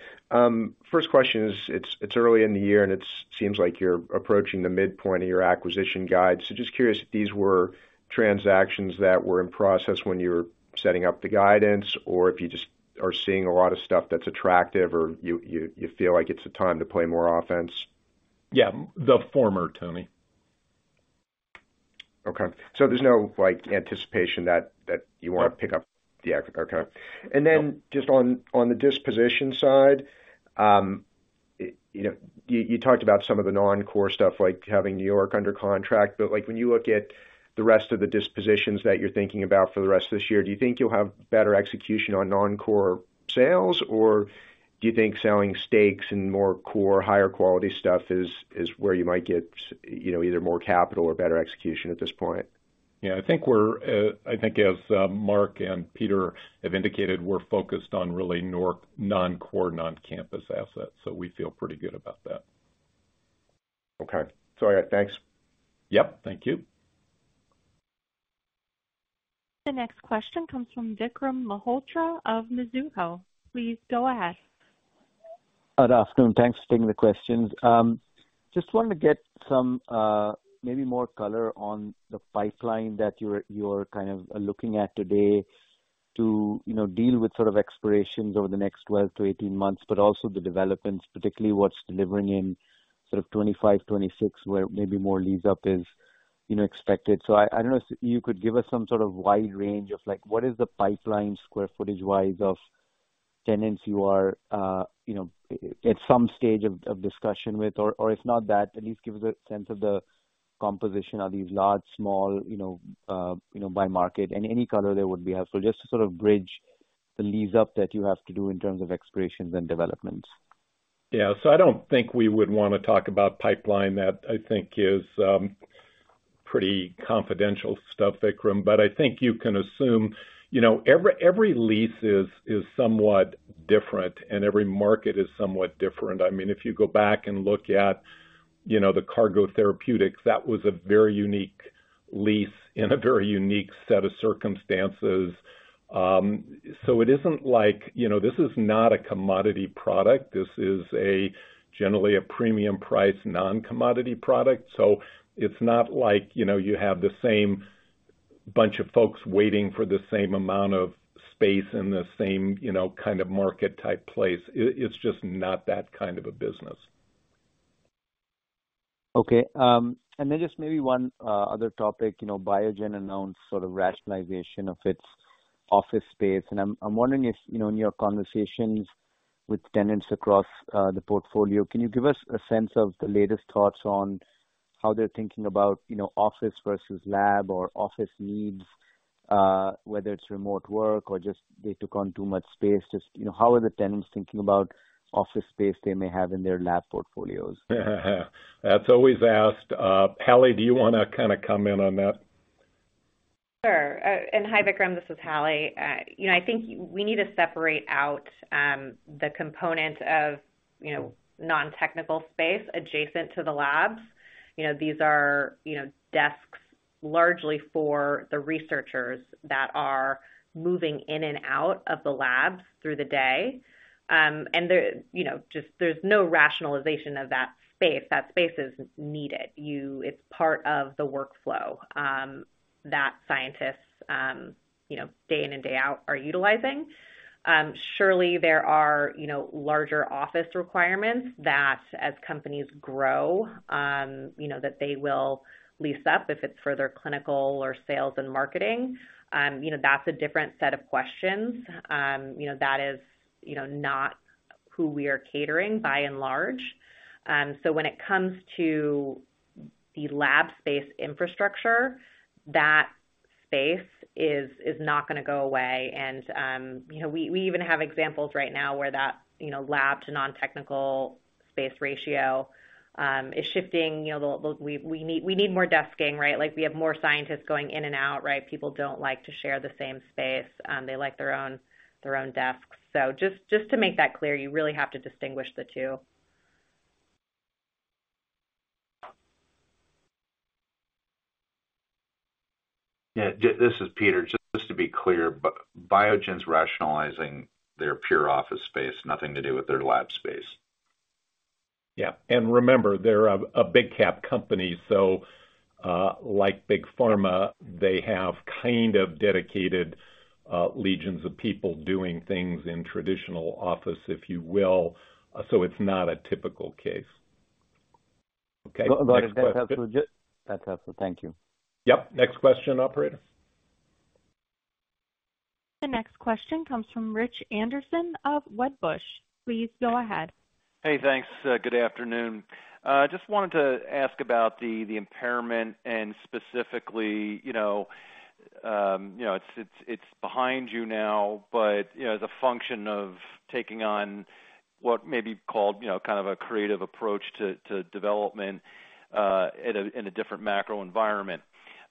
First question is, it's early in the year, and it seems like you're approaching the midpoint of your acquisition guide. So just curious if these were transactions that were in process when you were setting up the guidance, or if you just are seeing a lot of stuff that's attractive, or you feel like it's a time to play more offense? Yeah, the former, Tony. Okay. So there's no, like, anticipation that you want to pick up? No. Yeah. Okay. No. Then just on the disposition side, you know, you talked about some of the non-core stuff, like having New York under contract, but, like, when you look at the rest of the dispositions that you're thinking about for the rest of this year, do you think you'll have better execution on non-core sales? Or do you think selling stakes in more core, higher quality stuff is where you might get, you know, either more capital or better execution at this point? Yeah, I think as Marc and Peter have indicated, we're focused on really non-core, non-campus assets, so we feel pretty good about that. Okay. So yeah, thanks. Yep, thank you. The next question comes from Vikram Malhotra of Mizuho. Please go ahead. Good afternoon. Thanks for taking the questions. Just wanted to get some, maybe more color on the pipeline that you're kind of looking at today to, you know, deal with sort of expirations over the next 12 months-18 months, but also the developments, particularly what's delivering in sort of 2025, 2026, where maybe more leads up is, you know, expected. So I don't know if you could give us some sort of wide range of, like, what is the pipeline square footage-wise of tenants you are, you know, at some stage of discussion with? Or, if not that, at least give us a sense of the composition. Are these large, small, you know, you know, by market, and any color there would be helpful, just to sort of bridge the leads up that you have to do in terms of expirations and developments? Yeah. So I don't think we would want to talk about pipeline. That, I think, is pretty confidential stuff, Vikram. But I think you can assume, you know, every lease is somewhat different, and every market is somewhat different. I mean, if you go back and look at, you know, the Cargo Therapeutics, that was a very unique lease in a very unique set of circumstances. So it isn't like, you know, this is not a commodity product. This is generally a premium price, non-commodity product. So it's not like, you know, you have the same bunch of folks waiting for the same amount of space in the same, you know, kind of market type place. It, it's just not that kind of a business. Okay, and then just maybe one other topic. You know, Biogen announced sort of rationalization of its office space, and I'm wondering if, you know, in your conversations with tenants across the portfolio, can you give us a sense of the latest thoughts on how they're thinking about, you know, office versus lab or office needs, whether it's remote work or just they took on too much space? Just, you know, how are the tenants thinking about office space they may have in their lab portfolios? That's always asked. Hallie, do you want to kind of comment on that? Sure. And hi, Vikram, this is Hallie. You know, I think we need to separate out the component of you know, non-technical space adjacent to the labs. You know, these are you know, desks largely for the researchers that are moving in and out of the labs through the day. And there you know, just there's no rationalization of that space. That space is needed. It's part of the workflow that scientists you know, day in and day out are utilizing. Surely there are you know, larger office requirements that as companies grow you know, that they will lease up if it's for their clinical or sales and marketing. You know, that's a different set of questions. You know, that is you know, not who we are catering by and large. So when it comes to the lab space infrastructure, that space is not going to go away. And you know, we even have examples right now where that you know, lab to non-technical space ratio is shifting. You know, we need more desking, right? Like, we have more scientists going in and out, right? People don't like to share the same space. They like their own desks. So just to make that clear, you really have to distinguish the two. Yeah, J- this is Peter. Just to be clear, but Biogen's rationalizing their pure office space, nothing to do with their lab space? Yeah. And remember, they're a big cap company, so like big pharma, they have kind of dedicated legions of people doing things in traditional office, if you will. So it's not a typical case. Okay, next question. Got it. That's helpful, that's helpful. Thank you. Yep. Next question, operator. The next question comes from Rich Anderson of Wedbush. Please go ahead. Hey, thanks. Good afternoon. Just wanted to ask about the impairment and specifically, you know, you know, it's behind you now, but you know, the function of taking on what may be called, you know, kind of a creative approach to development in a different macro environment.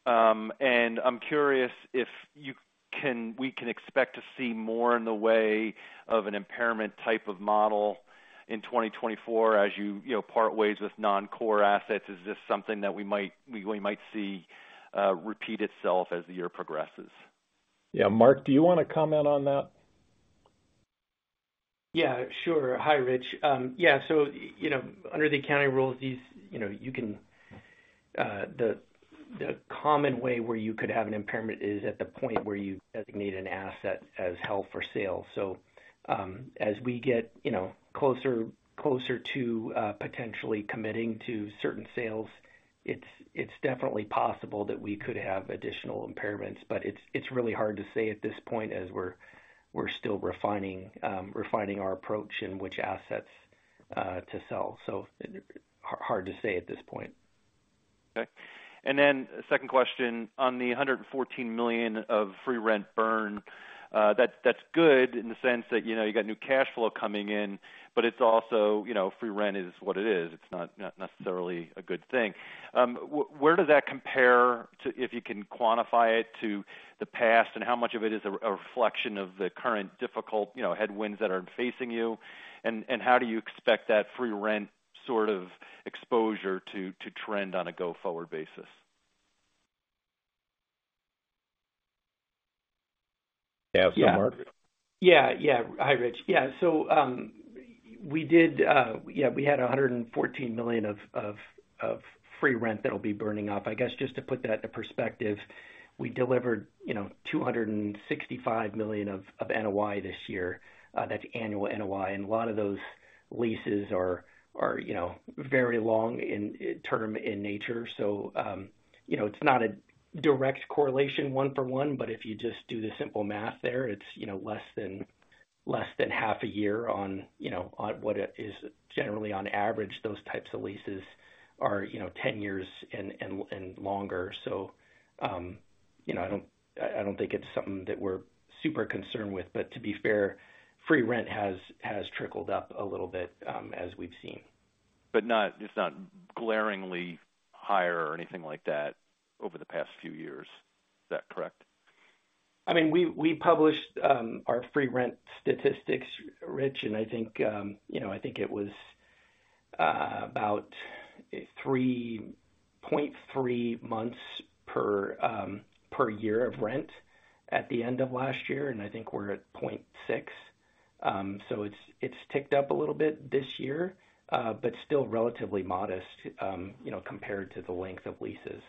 And I'm curious if you can we can expect to see more in the way of an impairment type of model in 2024 as you you know, part ways with non-core assets. Is this something that we might we might see repeat itself as the year progresses? Yeah. Marc, do you wanna comment on that? Yeah, sure. Hi, Rich. Yeah, so, you know, under the accounting rules, these, you know, you can, the common way where you could have an impairment is at the point where you designate an asset as held for sale. So, as we get, you know, closer, closer to, potentially committing to certain sales, it's definitely possible that we could have additional impairments. But it's really hard to say at this point as we're still refining our approach in which assets to sell. So hard to say at this point. Okay. And then second question, on the $114 million of free rent burn, that's, that's good in the sense that, you know, you got new cash flow coming in, but it's also, you know, free rent is what it is. It's not, not necessarily a good thing. Where does that compare to, if you can quantify it, to the past? And how much of it is a, a reflection of the current difficult, you know, headwinds that are facing you? And, and how do you expect that free rent sort of exposure to, to trend on a go-forward basis? Yeah, so Marc? Yeah. Yeah. Hi, Rich. Yeah, so, we did, yeah, we had $114 million of free rent that'll be burning up. I guess, just to put that into perspective, we delivered, you know, $265 million of NOI this year. That's annual NOI, and a lot of those leases are, you know, very long in term in nature. So, you know, it's not a direct correlation, one for one, but if you just do the simple math there, it's, you know, less than half a year on, you know, on what is generally on average, those types of leases are, you know, 10 years and longer. So, you know, I don't think it's something that we're super concerned with. But to be fair, free rent has trickled up a little bit, as we've seen. It's not glaringly higher or anything like that over the past few years. Is that correct? I mean, we published our free rent statistics, Rich, and I think, you know, I think it was about 3.3 months per year of rent at the end of last year, and I think we're at 0.6 months. So it's ticked up a little bit this year, but still relatively modest, you know, compared to the length of leases.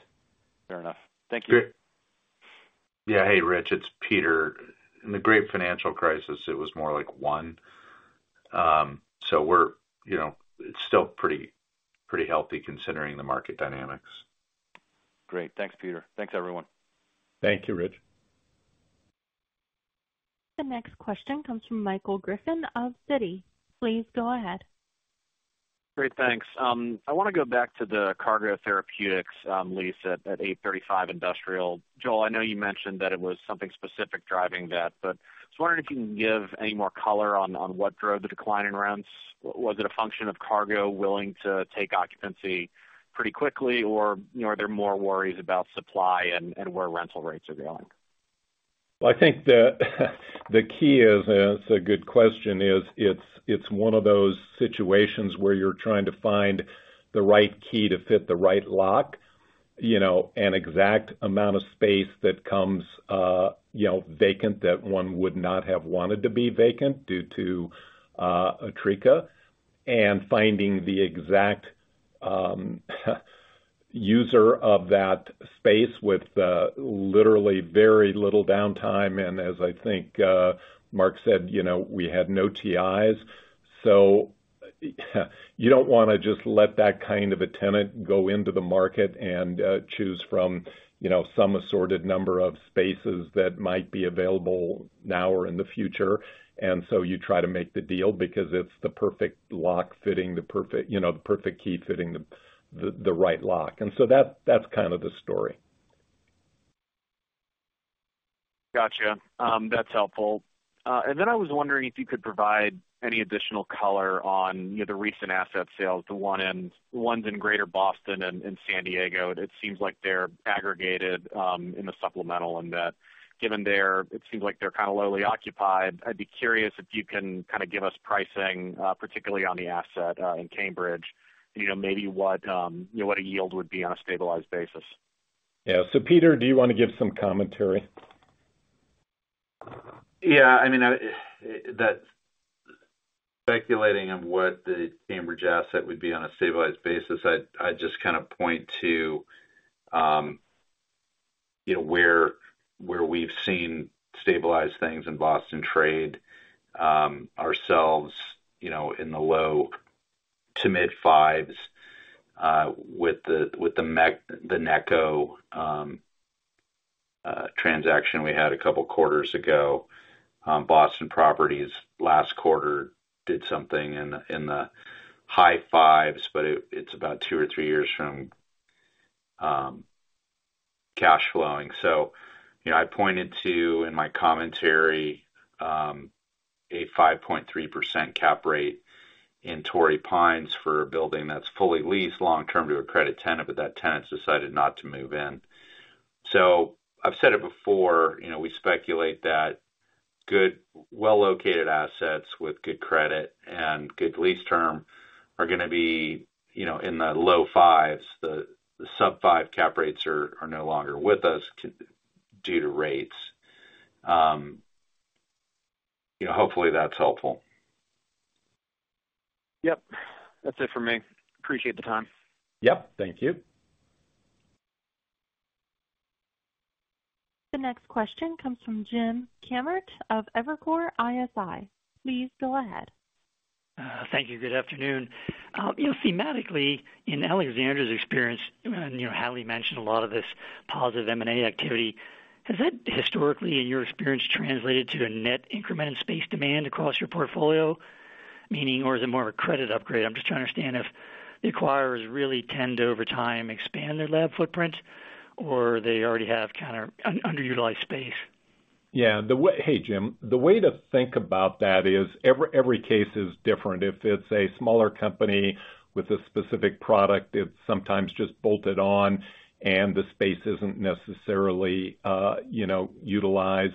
Fair enough. Thank you. Yeah. Hey, Rich, it's Peter. In the Great Financial Crisis, it was more like one month. So we're, you know, it's still pretty, pretty healthy considering the market dynamics. Great. Thanks, Peter. Thanks, everyone. Thank you, Rich. The next question comes from Michael Griffin of Citi. Please go ahead. Great, thanks. I wanna go back to the Cargo Therapeutics lease at, at 835 Industrial. Joel, I know you mentioned that it was something specific driving that, but I was wondering if you can give any more color on, on what drove the decline in rents. Was it a function of Cargo willing to take occupancy pretty quickly, or, you know, are there more worries about supply and, and where rental rates are going? Well, I think the key is, and it's a good question, is it's one of those situations where you're trying to find the right key to fit the right lock. You know, an exact amount of space that comes, you know, vacant, that one would not have wanted to be vacant due to Atreca, and finding the exact user of that space with literally very little downtime. And as I think Marc said, you know, we had no TIs. So, you don't wanna just let that kind of a tenant go into the market and choose from, you know, some assorted number of spaces that might be available now or in the future. And so you try to make the deal because it's the perfect lock fitting the perfect... you know, the perfect key fitting the right lock. And so that's kind of the story. Gotcha. That's helpful. And then I was wondering if you could provide any additional color on, you know, the recent asset sales, the ones in Greater Boston and in San Diego. It seems like they're aggregated in the supplemental, and, given they're, it seems like they're kind of lowly occupied. I'd be curious if you can kind of give us pricing, particularly on the asset in Cambridge, you know, maybe what, you know, what a yield would be on a stabilized basis. Yeah. So, Peter, do you want to give some commentary?... Yeah, I mean, that's speculating on what the Cambridge asset would be on a stabilized basis. I'd just kind of point to, you know, where we've seen stabilized things in Boston trade, ourselves, you know, in the low to mid-fives, with the Necco transaction we had a couple of quarters ago. Boston Properties last quarter did something in the high fives, but it's about two or three years from cash flowing. So, you know, I pointed to, in my commentary, a 5.3% cap rate in Torrey Pines for a building that's fully leased long-term to a credit tenant, but that tenant's decided not to move in. So I've said it before, you know, we speculate that good, well-located assets with good credit and good lease term are gonna be, you know, in the low 5s. The sub-5 cap rates are no longer with us due to rates. You know, hopefully, that's helpful. Yep. That's it for me. Appreciate the time. Yep, thank you. The next question comes from Jim Kammert of Evercore ISI. Please go ahead. Thank you. Good afternoon. You know, thematically, in Alexandria's experience, and, you know, Hallie mentioned a lot of this positive M&A activity, has that, historically, in your experience, translated to a net increment in space demand across your portfolio? Meaning, or is it more of a credit upgrade? I'm just trying to understand if the acquirers really tend to, over time, expand their lab footprint or they already have kind of underutilized space. Yeah. The way... Hey, Jim, the way to think about that is every, every case is different. If it's a smaller company with a specific product, it's sometimes just bolted on, and the space isn't necessarily, you know, utilized,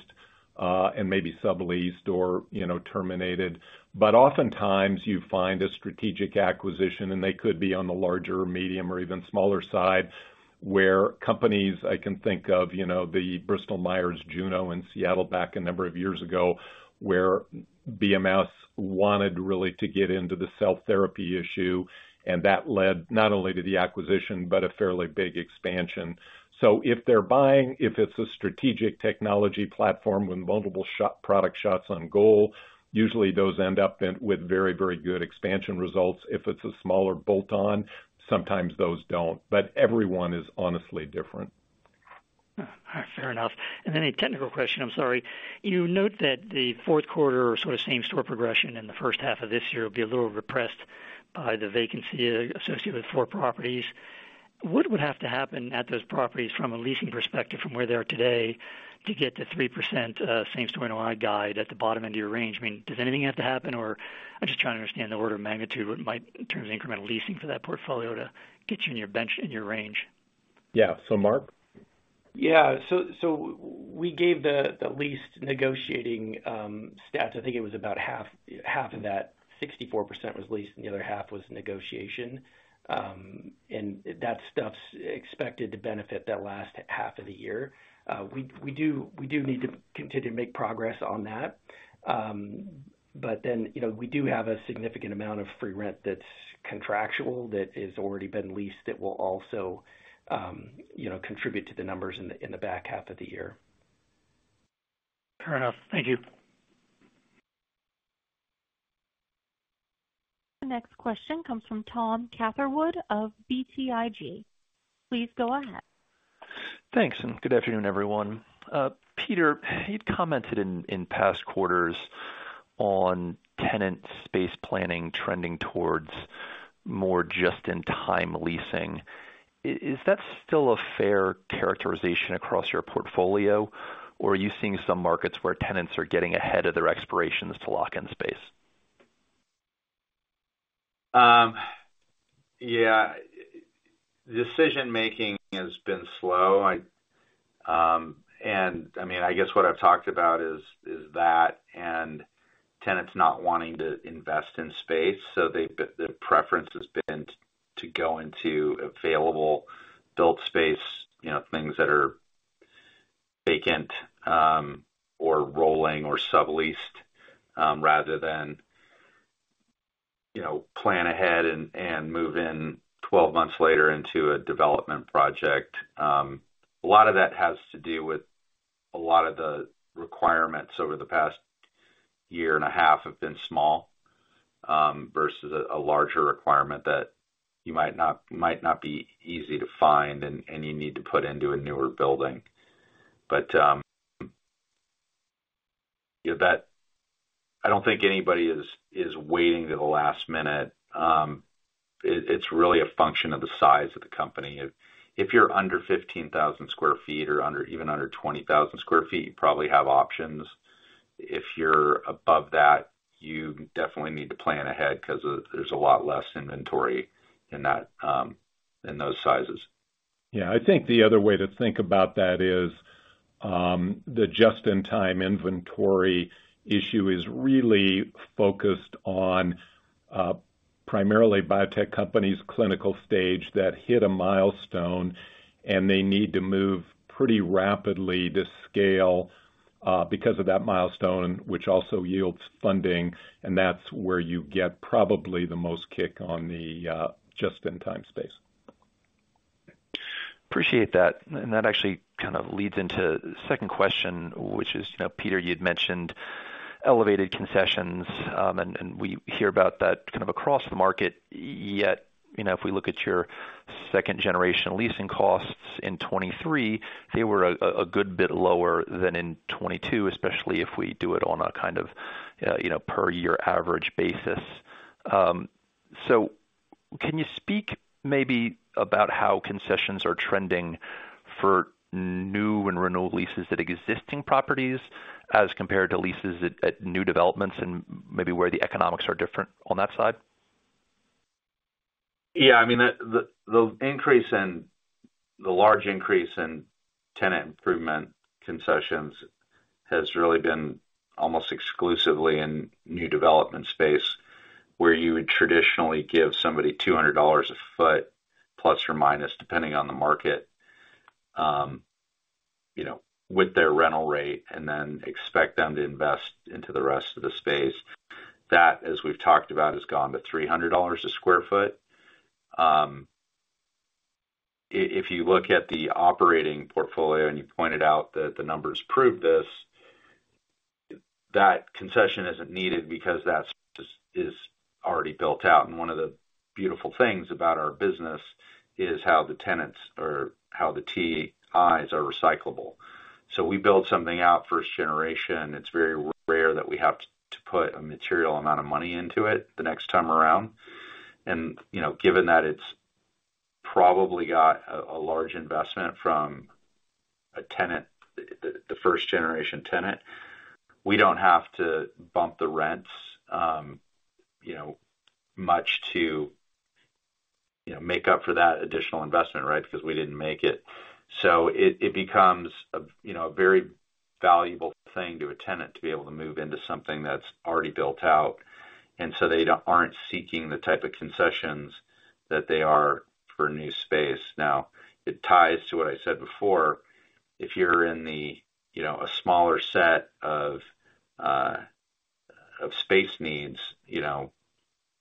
and maybe subleased or, you know, terminated. But oftentimes you find a strategic acquisition, and they could be on the larger, medium, or even smaller side, where companies, I can think of, you know, the Bristol-Myers Juno in Seattle back a number of years ago, where BMS wanted really to get into the cell therapy issue, and that led not only to the acquisition, but a fairly big expansion. So if they're buying, if it's a strategic technology platform with multiple product shots on goal, usually those end up with very, very good expansion results. If it's a smaller bolt-on, sometimes those don't, but everyone is honestly different. Fair enough. And then a technical question, I'm sorry. You note that the fourth quarter or sort of same-store progression in the first half of this year will be a little repressed by the vacancy associated with four properties. What would have to happen at those properties from a leasing perspective, from where they are today, to get to 3%, same-store NOI guide at the bottom end of your range? I mean, does anything have to happen, or I'm just trying to understand the order of magnitude, what might, in terms of incremental leasing for that portfolio, to get you in your bench, in your range? Yeah. So, Marc? Yeah. So we gave the leased negotiating stats. I think it was about half of that, 64% was leased, and the other half was negotiation. And that stuff's expected to benefit the last half of the year. We need to continue to make progress on that. But then, you know, we do have a significant amount of free rent that's contractual, that has already been leased, that will also, you know, contribute to the numbers in the back half of the year. Fair enough. Thank you. The next question comes from Tom Catherwood of BTIG. Please go ahead. Thanks, and good afternoon, everyone. Peter, you'd commented in, in past quarters on tenant space planning trending towards more just-in-time leasing. Is that still a fair characterization across your portfolio, or are you seeing some markets where tenants are getting ahead of their expirations to lock in space? Yeah. Decision-making has been slow. I mean, I guess what I've talked about is that and tenants not wanting to invest in space, so they, the preference has been to go into available built space, you know, things that are vacant, or rolling or subleased, rather than, you know, plan ahead and move in 12 months later into a development project. A lot of that has to do with a lot of the requirements over the past year and a half have been small, versus a larger requirement that you might not be easy to find and you need to put into a newer building. But, yeah, that. I don't think anybody is waiting to the last minute. It, it's really a function of the size of the company. If you're under 15,000 sq ft or under, even under 20,000 sq ft, you probably have options. If you're above that, you definitely need to plan ahead because there's a lot less inventory in that, in those sizes. Yeah, I think the other way to think about that is, the just-in-time inventory issue is really focused on primarily biotech companies, clinical stage, that hit a milestone, and they need to move pretty rapidly to scale, because of that milestone, which also yields funding, and that's where you get probably the most kick on the, just-in-time space. Appreciate that. And that actually kind of leads into the second question, which is, you know, Peter, you'd mentioned elevated concessions, and we hear about that kind of across the market. Yet, you know, if we look at your second-generation leasing costs in 2023, they were a good bit lower than in 2022, especially if we do it on a kind of, you know, per-year average basis. So can you speak maybe about how concessions are trending for new and renewal leases at existing properties as compared to leases at new developments and maybe where the economics are different on that side? Yeah, I mean, the large increase in tenant improvement concessions has really been almost exclusively in new development space, where you would traditionally give somebody $200 a foot, plus or minus, depending on the market, you know, with their rental rate, and then expect them to invest into the rest of the space. That, as we've talked about, has gone to $300 a square foot. If you look at the operating portfolio, and you pointed out that the numbers prove this, that concession isn't needed because that space is already built out. And one of the beautiful things about our business is how the tenants or how the TIs are recyclable. So we build something out first generation, it's very rare that we have to put a material amount of money into it the next time around. And, you know, given that it's probably got a large investment from a tenant, the first-generation tenant, we don't have to bump the rents, you know, much to, you know, make up for that additional investment, right? Because we didn't make it. So it becomes a very valuable thing to a tenant to be able to move into something that's already built out, and so they aren't seeking the type of concessions that they are for new space. Now, it ties to what I said before. If you're in, you know, a smaller set of space needs, you know,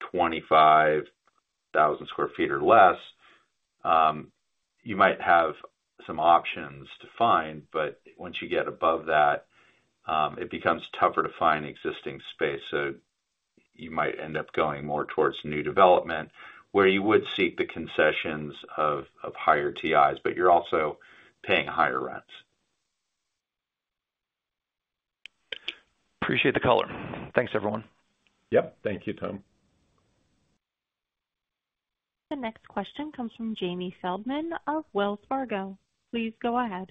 25,000 sq ft or less, you might have some options to find, but once you get above that, it becomes tougher to find existing space. You might end up going more towards new development, where you would seek the concessions of higher TIs, but you're also paying higher rents. Appreciate the color. Thanks, everyone. Yep. Thank you, Tom. The next question comes from Jamie Feldman of Wells Fargo. Please go ahead.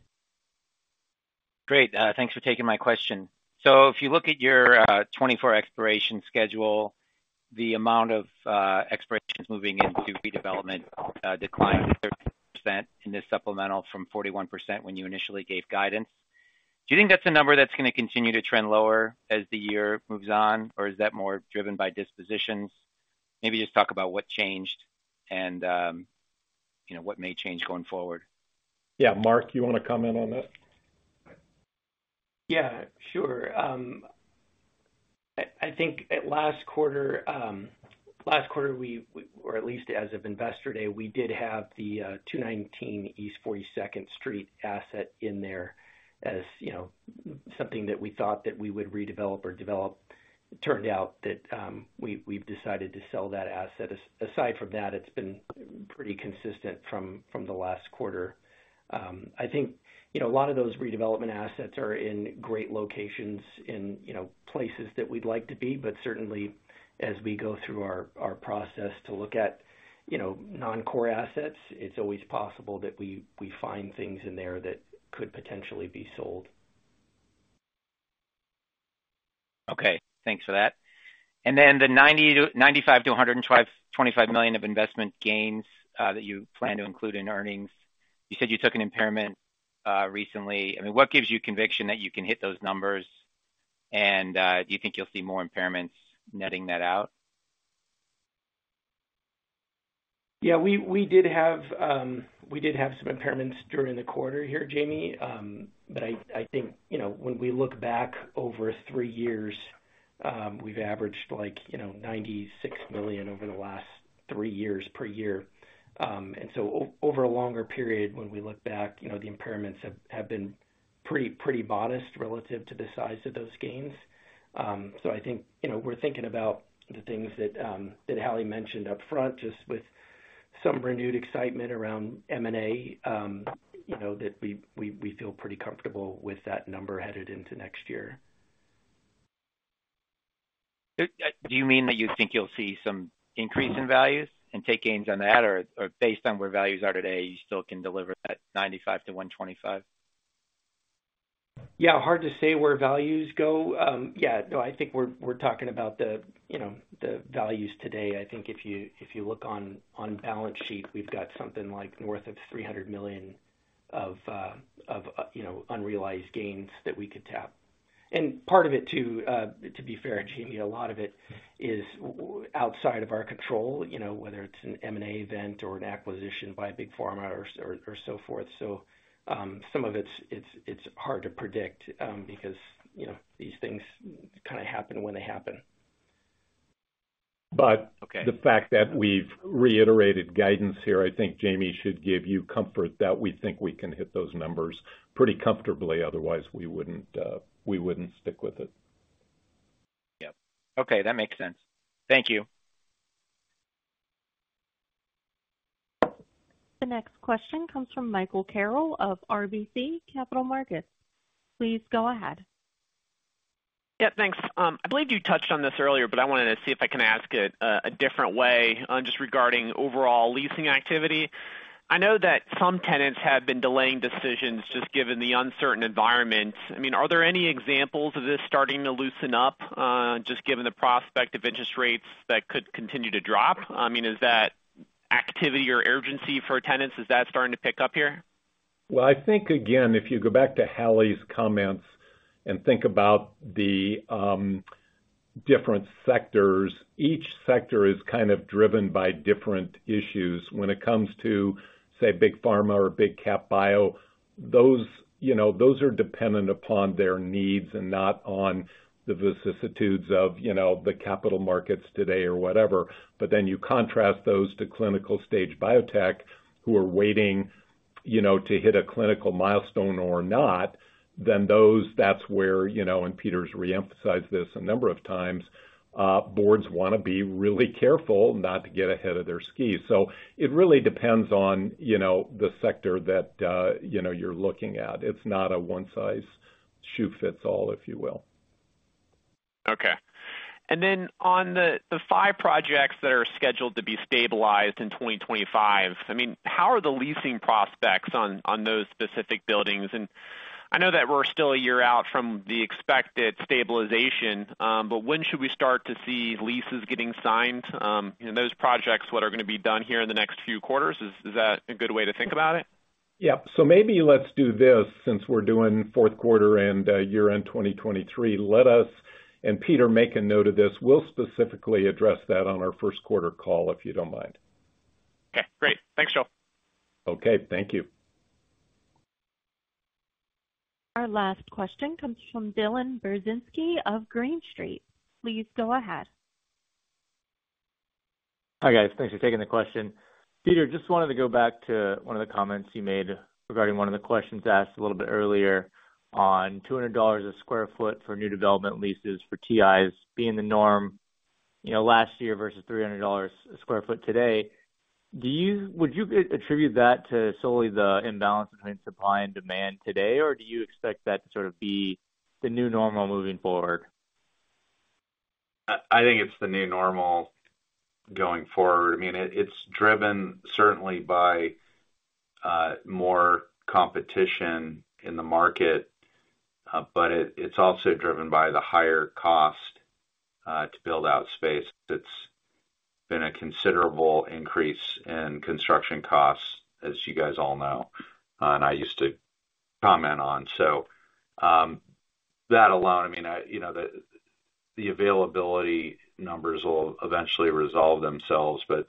Great, thanks for taking my question. If you look at your 2024 expiration schedule, the amount of expirations moving into redevelopment declined 30% in this supplemental from 41% when you initially gave guidance. Do you think that's a number that's gonna continue to trend lower as the year moves on, or is that more driven by dispositions? Maybe just talk about what changed and, you know, what may change going forward. Yeah, Marc, you want to comment on that? Yeah, sure. I think at last quarter, last quarter, or at least as of Investor Day, we did have the 219 East 42nd Street asset in there, as you know, something that we thought that we would redevelop or develop. It turned out that, we, we've decided to sell that asset. Aside from that, it's been pretty consistent from, from the last quarter. I think, you know, a lot of those redevelopment assets are in great locations in, you know, places that we'd like to be, but certainly as we go through our, our process to look at, you know, non-core assets, it's always possible that we, we find things in there that could potentially be sold. Okay, thanks for that. And then the $95 million-$125 million of investment gains that you plan to include in earnings. You said you took an impairment recently. I mean, what gives you conviction that you can hit those numbers? And, do you think you'll see more impairments netting that out? Yeah, we did have some impairments during the quarter here, Jamie. But I think, you know, when we look back over three years, we've averaged like, you know, $96 million over the last three years per year. And so over a longer period, when we look back, you know, the impairments have been pretty modest relative to the size of those gains. So I think, you know, we're thinking about the things that Hallie mentioned upfront, just with some renewed excitement around M&A, you know, that we feel pretty comfortable with that number headed into next year. Do you mean that you think you'll see some increase in values and take gains on that? Or based on where values are today, you still can deliver that $95 million-$125 million? Yeah, hard to say where values go. Yeah, no, I think we're talking about the values today. I think if you look on the balance sheet, we've got something like north of $300 million of unrealized gains that we could tap. And part of it, too, to be fair, Jamie, a lot of it is outside of our control, you know, whether it's an M&A event or an acquisition by a big pharma or so forth. So, some of it's hard to predict, because you know, these things kinda happen when they happen. But- Okay. The fact that we've reiterated guidance here, I think, Jamie, should give you comfort that we think we can hit those numbers pretty comfortably. Otherwise, we wouldn't, we wouldn't stick with it. Yep. Okay, that makes sense. Thank you. The next question comes from Michael Carroll of RBC Capital Markets. Please go ahead. Yep, thanks. I believe you touched on this earlier, but I wanted to see if I can ask it a different way, on just regarding overall leasing activity. I know that some tenants have been delaying decisions, just given the uncertain environment. I mean, are there any examples of this starting to loosen up, just given the prospect of interest rates that could continue to drop? I mean, is that activity or urgency for tenants, is that starting to pick up here? Well, I think, again, if you go back to Hallie's comments and think about the different sectors, each sector is kind of driven by different issues. When it comes to, say, big pharma or big cap bio, those, you know, those are dependent upon their needs and not on the vicissitudes of, you know, the capital markets today or whatever. But then you contrast those to clinical stage biotech, who are waiting, you know, to hit a clinical milestone or not, then those, that's where, you know, and Peter's re-emphasized this a number of times, boards wanna be really careful not to get ahead of their skis. So it really depends on, you know, the sector that, you know, you're looking at. It's not a one-size-shoe-fits-all, if you will. Okay. And then on the five projects that are scheduled to be stabilized in 2025, I mean, how are the leasing prospects on those specific buildings? And I know that we're still a year out from the expected stabilization, but when should we start to see leases getting signed? You know, those projects, what are gonna be done here in the next few quarters, is that a good way to think about it? Yeah. So maybe let's do this, since we're doing fourth quarter and year-end 2023. Let us, and Peter, make a note of this. We'll specifically address that on our first quarter call, if you don't mind. Okay, great. Thanks, Joel. Okay, thank you. Our last question comes from Dylan Burzinski of Green Street. Please go ahead. Hi, guys, thanks for taking the question. Peter, just wanted to go back to one of the comments you made regarding one of the questions asked a little bit earlier on $200 a sq ft for new development leases for TIs being the norm, you know, last year versus $300 a sq ft today. Would you attribute that to solely the imbalance between supply and demand today, or do you expect that to sort of be the new normal moving forward? I think it's the new normal going forward. I mean, it's driven certainly by more competition in the market, but it's also driven by the higher cost to build out space. It's been a considerable increase in construction costs, as you guys all know, and I used to comment on. So, that alone, I mean, you know, the availability numbers will eventually resolve themselves, but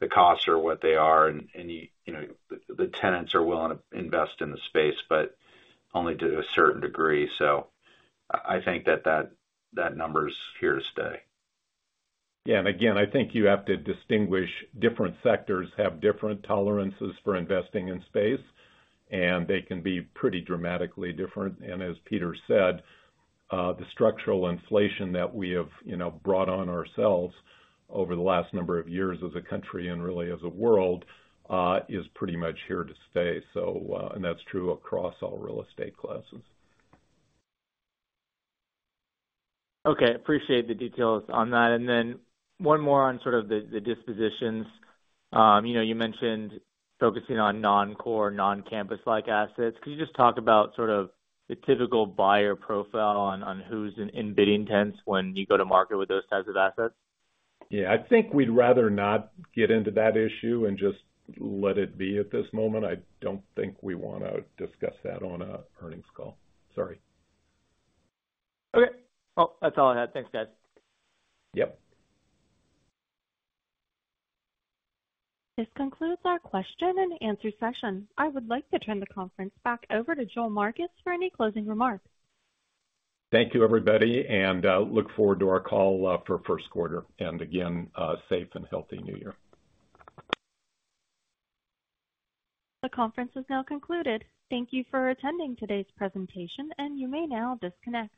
the costs are what they are, and, you know, the tenants are willing to invest in the space, but only to a certain degree. So I think that number is here to stay. Yeah, and again, I think you have to distinguish different sectors have different tolerances for investing in space, and they can be pretty dramatically different. And as Peter said, the structural inflation that we have, you know, brought on ourselves over the last number of years as a country and really as a world, is pretty much here to stay. So, and that's true across all real estate classes. Okay, appreciate the details on that. And then one more on sort of the dispositions. You know, you mentioned focusing on non-core, non-campus-like assets. Can you just talk about sort of the typical buyer profile on who's in the tent when you go to market with those types of assets? Yeah. I think we'd rather not get into that issue and just let it be at this moment. I don't think we wanna discuss that on an earnings call. Sorry. Okay. Well, that's all I had. Thanks, guys. Yep. This concludes our question and answer session. I would like to turn the conference back over to Joel Marcus for any closing remarks. Thank you, everybody, and look forward to our call for first quarter. And again, safe and healthy new year. The conference is now concluded. Thank you for attending today's presentation, and you may now disconnect.